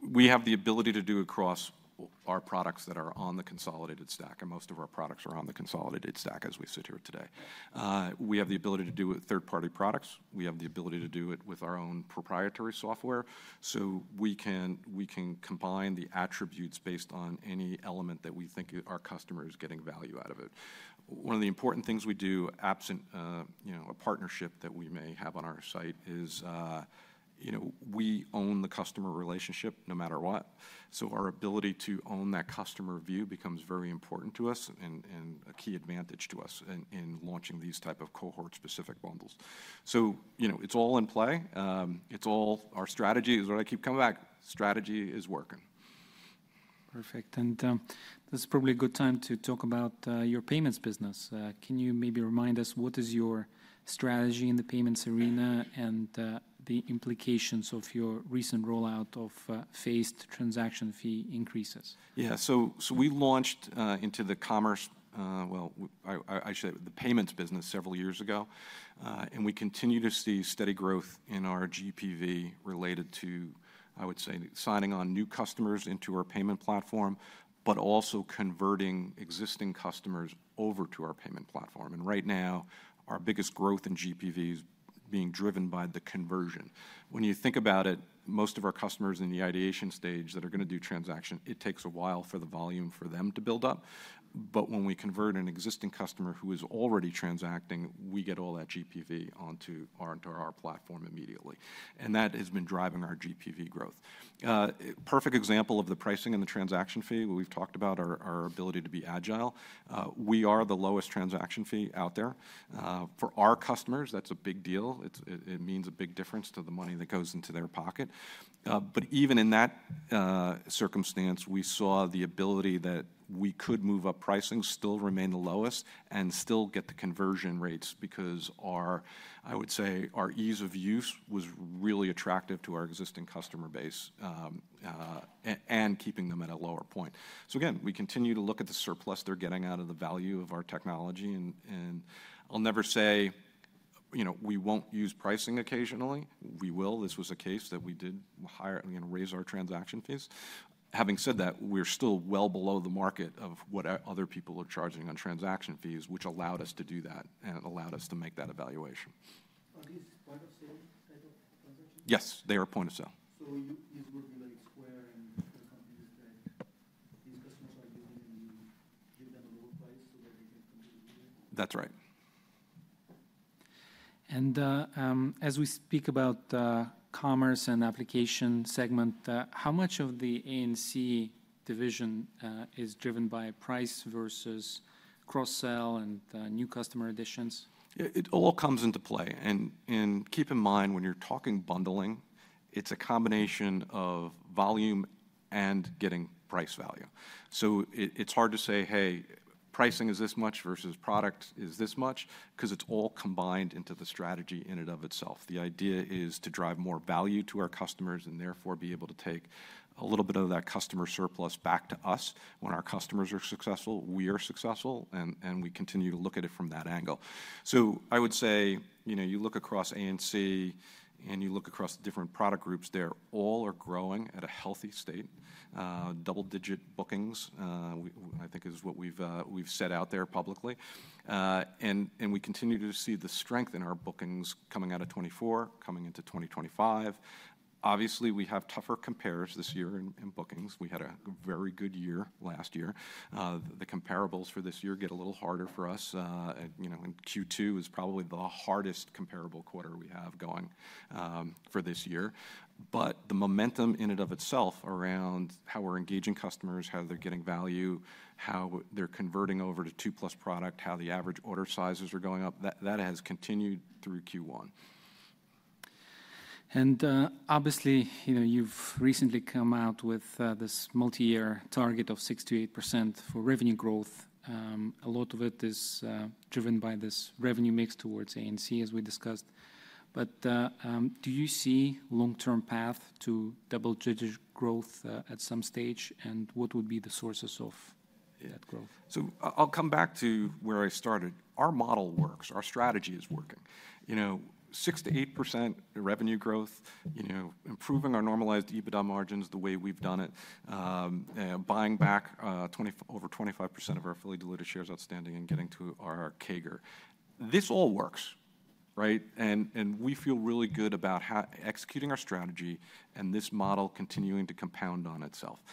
S5: We have the ability to do across our products that are on the consolidated stack, and most of our products are on the consolidated stack as we sit here today. We have the ability to do it with third-party products. We have the ability to do it with our own proprietary software. We can combine the attributes based on any element that we think our customer is getting value out of it. One of the important things we do, absent a partnership that we may have on our site, is we own the customer relationship no matter what. Our ability to own that customer view becomes very important to us and a key advantage to us in launching these type of cohort-specific bundles. It's all in play. It's all our strategy is what I keep coming back. Strategy is working.
S4: Perfect. This is probably a good time to talk about your payments business. Can you maybe remind us what is your strategy in the payments arena and the implications of your recent rollout of phased transaction fee increases?
S5: Yeah. We launched into the commerce, I should say the payments business several years ago, and we continue to see steady growth in our GPV related to, I would say, signing on new customers into our payment platform, but also converting existing customers over to our payment platform. Right now, our biggest growth in GPV is being driven by the conversion. When you think about it, most of our customers in the ideation stage that are going to do transaction, it takes a while for the volume for them to build up. When we convert an existing customer who is already transacting, we get all that GPV onto our platform immediately. That has been driving our GPV growth. Perfect example of the pricing and the transaction fee we have talked about is our ability to be agile. We are the lowest transaction fee out there. For our customers, that's a big deal. It means a big difference to the money that goes into their pocket. Even in that circumstance, we saw the ability that we could move up pricing, still remain the lowest, and still get the conversion rates because our, I would say, our ease of use was really attractive to our existing customer base and keeping them at a lower point. Again, we continue to look at the surplus they're getting out of the value of our technology. I'll never say we won't use pricing occasionally. We will. This was a case that we did raise our transaction fees. Having said that, we're still well below the market of what other people are charging on transaction fees, which allowed us to do that and allowed us to make that evaluation. Are these point-of-sale type of transactions? Yes, they are point-of-sale. These would be like Square and other companies that these customers are using, and you give them a lower price so that they can continue using it? That's right.
S4: As we speak about Commerce & Application segment, how much of the A&C division is driven by price versus cross-sell and new customer additions?
S5: It all comes into play. And keep in mind, when you're talking bundling, it's a combination of volume and getting price value. So it's hard to say, "Hey, pricing is this much versus product is this much," because it's all combined into the strategy in and of itself. The idea is to drive more value to our customers and therefore be able to take a little bit of that customer surplus back to us. When our customers are successful, we are successful, and we continue to look at it from that angle. I would say you look across A&C and you look across the different product groups, they all are growing at a healthy state. Double-digit bookings, I think, is what we've set out there publicly. We continue to see the strength in our bookings coming out of 2024, coming into 2025. Obviously, we have tougher compares this year in bookings. We had a very good year last year. The comparables for this year get a little harder for us. Q2 is probably the hardest comparable quarter we have going for this year. The momentum in and of itself around how we're engaging customers, how they're getting value, how they're converting over to two-plus product, how the average order sizes are going up, that has continued through Q1.
S4: Obviously, you have recently come out with this multi-year target of 6%-8% for revenue growth. A lot of it is driven by this revenue mix towards A&C, as we discussed. Do you see a long-term path to double-digit growth at some stage, and what would be the sources of that growth?
S5: I'll come back to where I started. Our model works. Our strategy is working. 6%-8% revenue growth, improving our normalized EBITDA margins the way we've done it, buying back over 25% of our fully diluted shares outstanding and getting to our CAGR. This all works, right? We feel really good about executing our strategy and this model continuing to compound on itself.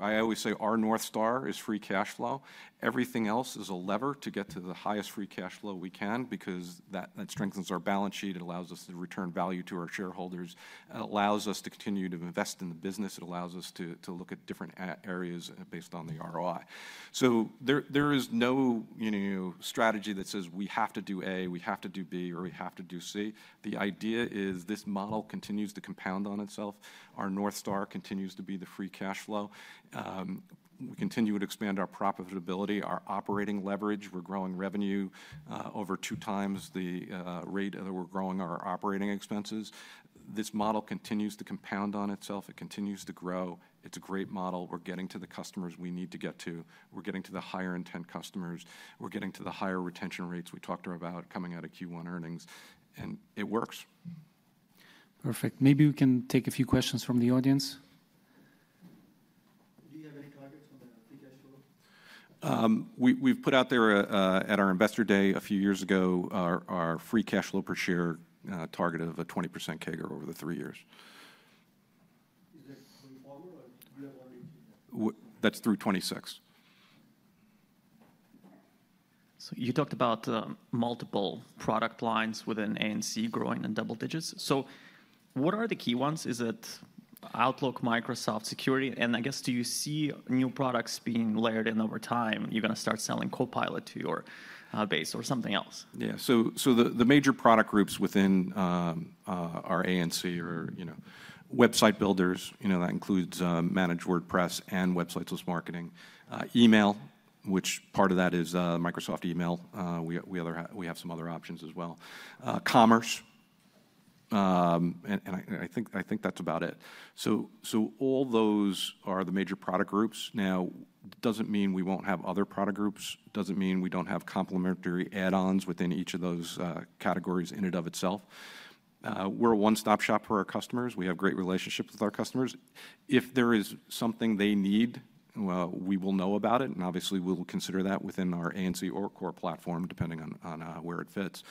S5: I always say our North Star is free cash flow. Everything else is a lever to get to the highest free cash flow we can because that strengthens our balance sheet. It allows us to return value to our shareholders. It allows us to continue to invest in the business. It allows us to look at different areas based on the ROI. There is no strategy that says we have to do A, we have to do B, or we have to do C. The idea is this model continues to compound on itself. Our North Star continues to be the free cash flow. We continue to expand our profitability, our operating leverage. We're growing revenue over two times the rate that we're growing our operating expenses. This model continues to compound on itself. It continues to grow. It's a great model. We're getting to the customers we need to get to. We're getting to the higher intent customers. We're getting to the higher retention rates we talked about coming out of Q1 earnings. It works.
S4: Perfect. Maybe we can take a few questions from the audience. Do you have any targets on the free cash flow?
S5: We've put out there at our investor day a few years ago our free cash flow per share target of a 20% CAGR over the three years. Is that going forward or do you have already achieved that? That's through 2026. You talked about multiple product lines within A&C growing in double digits. What are the key ones? Is it Outlook, Microsoft Security? Do you see new products being layered in over time? You're going to start selling Copilot to your base or something else? Yeah. The major product groups within our A&C are website builders. That includes Managed WordPress and Websites + Marketing. Email, which part of that is Microsoft Email. We have some other options as well. Commerce. I think that's about it. All those are the major product groups. It doesn't mean we won't have other product groups. It doesn't mean we don't have complementary add-ons within each of those categories in and of itself. We're a one-stop shop for our customers. We have great relationships with our customers. If there is something they need, we will know about it. Obviously, we'll consider that within our A&C or core platform depending on where it fits.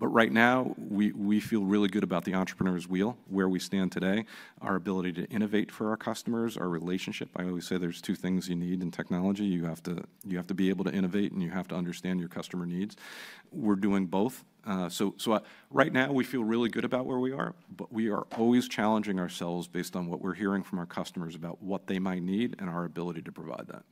S5: Right now, we feel really good about the entrepreneur's wheel, where we stand today, our ability to innovate for our customers, our relationship. I always say there's two things you need in technology. You have to be able to innovate, and you have to understand your customer needs. We're doing both. Right now, we feel really good about where we are, but we are always challenging ourselves based on what we're hearing from our customers about what they might need and our ability to provide that.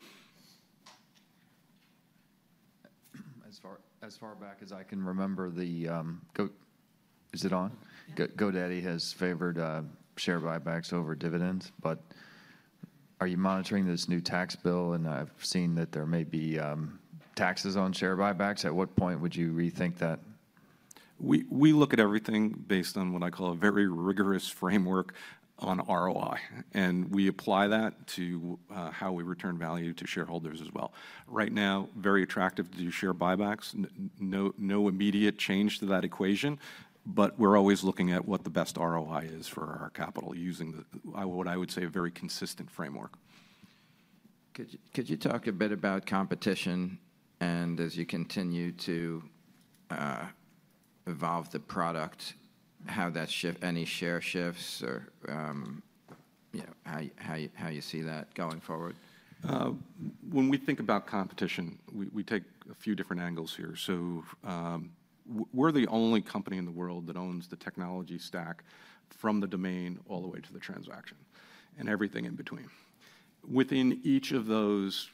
S5: As far back as I can remember, is it on? GoDaddy has favored share buybacks over dividends. Are you monitoring this new tax bill? I've seen that there may be taxes on share buybacks. At what point would you rethink that? We look at everything based on what I call a very rigorous framework on ROI. We apply that to how we return value to shareholders as well. Right now, very attractive to do share buybacks. No immediate change to that equation. We are always looking at what the best ROI is for our capital using what I would say is a very consistent framework. Could you talk a bit about competition? As you continue to evolve the product, how that shift, any share shifts, or how you see that going forward? When we think about competition, we take a few different angles here. We are the only company in the world that owns the technology stack from the domain all the way to the transaction and everything in between. Within each of those,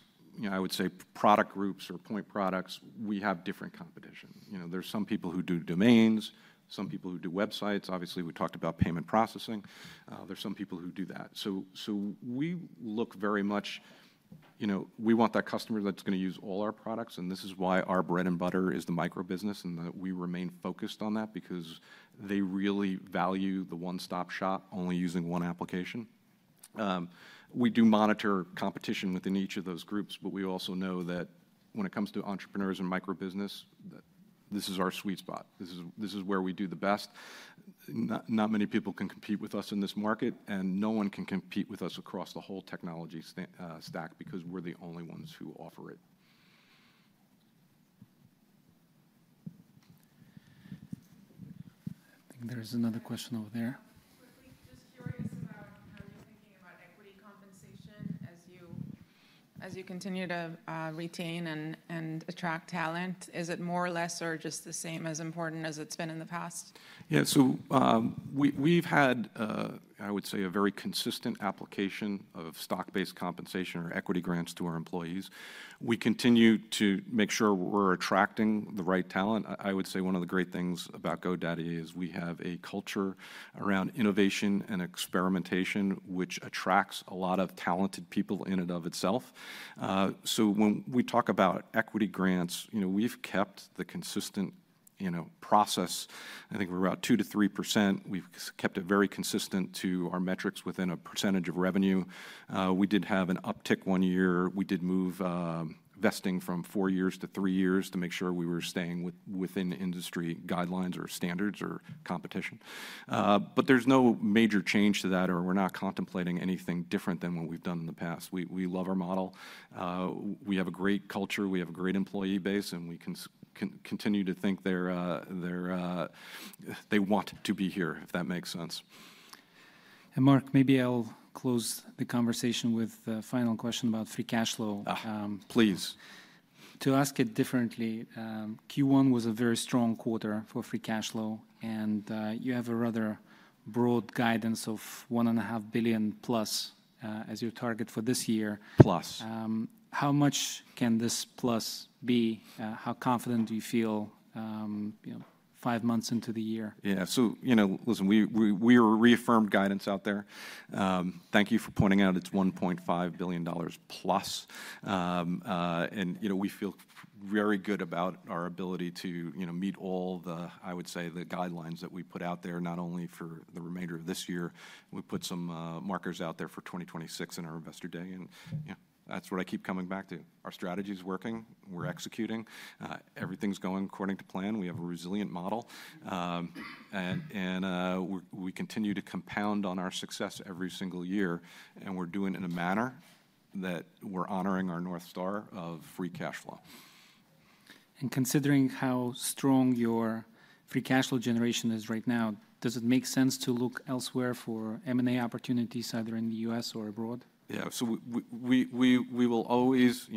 S5: I would say, product groups or point products, we have different competition. There are some people who do domains, some people who do websites. Obviously, we talked about payment processing. There are some people who do that. We look very much, we want that customer that is going to use all our products. This is why our bread and butter is the micro business and that we remain focused on that because they really value the one-stop shop, only using one application. We do monitor competition within each of those groups, but we also know that when it comes to entrepreneurs and micro business, this is our sweet spot. This is where we do the best. Not many people can compete with us in this market, and no one can compete with us across the whole technology stack because we're the only ones who offer it.
S4: I think there's another question over there. Quickly, just curious about how you're thinking about equity compensation as you continue to retain and attract talent. Is it more or less or just the same as important as it's been in the past?
S5: Yeah. We've had, I would say, a very consistent application of stock-based compensation or equity grants to our employees. We continue to make sure we're attracting the right talent. I would say one of the great things about GoDaddy is we have a culture around innovation and experimentation, which attracts a lot of talented people in and of itself. When we talk about equity grants, we've kept the consistent process. I think we're about 2%-3%. We've kept it very consistent to our metrics within a percentage of revenue. We did have an uptick one year. We did move vesting from four years to three years to make sure we were staying within industry guidelines or standards or competition. There's no major change to that, or we're not contemplating anything different than what we've done in the past. We love our model. We have a great culture. We have a great employee base, and we can continue to think they want to be here, if that makes sense.
S4: Mark, maybe I'll close the conversation with a final question about free cash flow.
S5: Please.
S4: To ask it differently, Q1 was a very strong quarter for free cash flow, and you have a rather broad guidance of $1.5+ billion as your target for this year.
S5: Plus.
S4: How much can this plus be? How confident do you feel five months into the year?
S5: Yeah. Listen, we are reaffirmed guidance out there. Thank you for pointing out it's $1.5+ billion. We feel very good about our ability to meet all the, I would say, the guidelines that we put out there, not only for the remainder of this year. We put some markers out there for 2026 in our investor day. That's what I keep coming back to. Our strategy is working. We're executing. Everything's going according to plan. We have a resilient model. We continue to compound on our success every single year. We're doing it in a manner that we're honoring our North Star of free cash flow.
S4: Considering how strong your free cash flow generation is right now, does it make sense to look elsewhere for M&A opportunities either in the U.S. or abroad?
S5: Yeah. We will always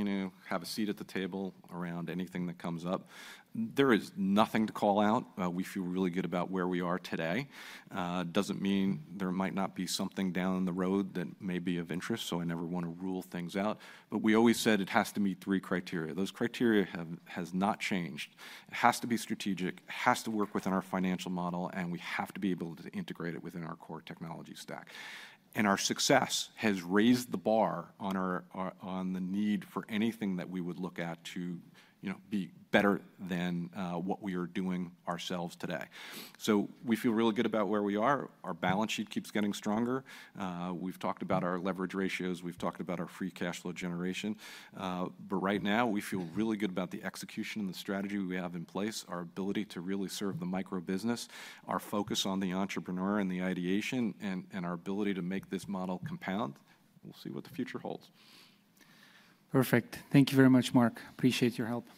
S5: have a seat at the table around anything that comes up. There is nothing to call out. We feel really good about where we are today. That does not mean there might not be something down the road that may be of interest. I never want to rule things out. We always said it has to meet three criteria. Those criteria have not changed. It has to be strategic. It has to work within our financial model. We have to be able to integrate it within our core technology stack. Our success has raised the bar on the need for anything that we would look at to be better than what we are doing ourselves today. We feel really good about where we are. Our balance sheet keeps getting stronger. We have talked about our leverage ratios. We've talked about our free cash flow generation. Right now, we feel really good about the execution and the strategy we have in place, our ability to really serve the micro business, our focus on the entrepreneur and the ideation, and our ability to make this model compound. We'll see what the future holds.
S4: Perfect. Thank you very much, Mark. Appreciate your help.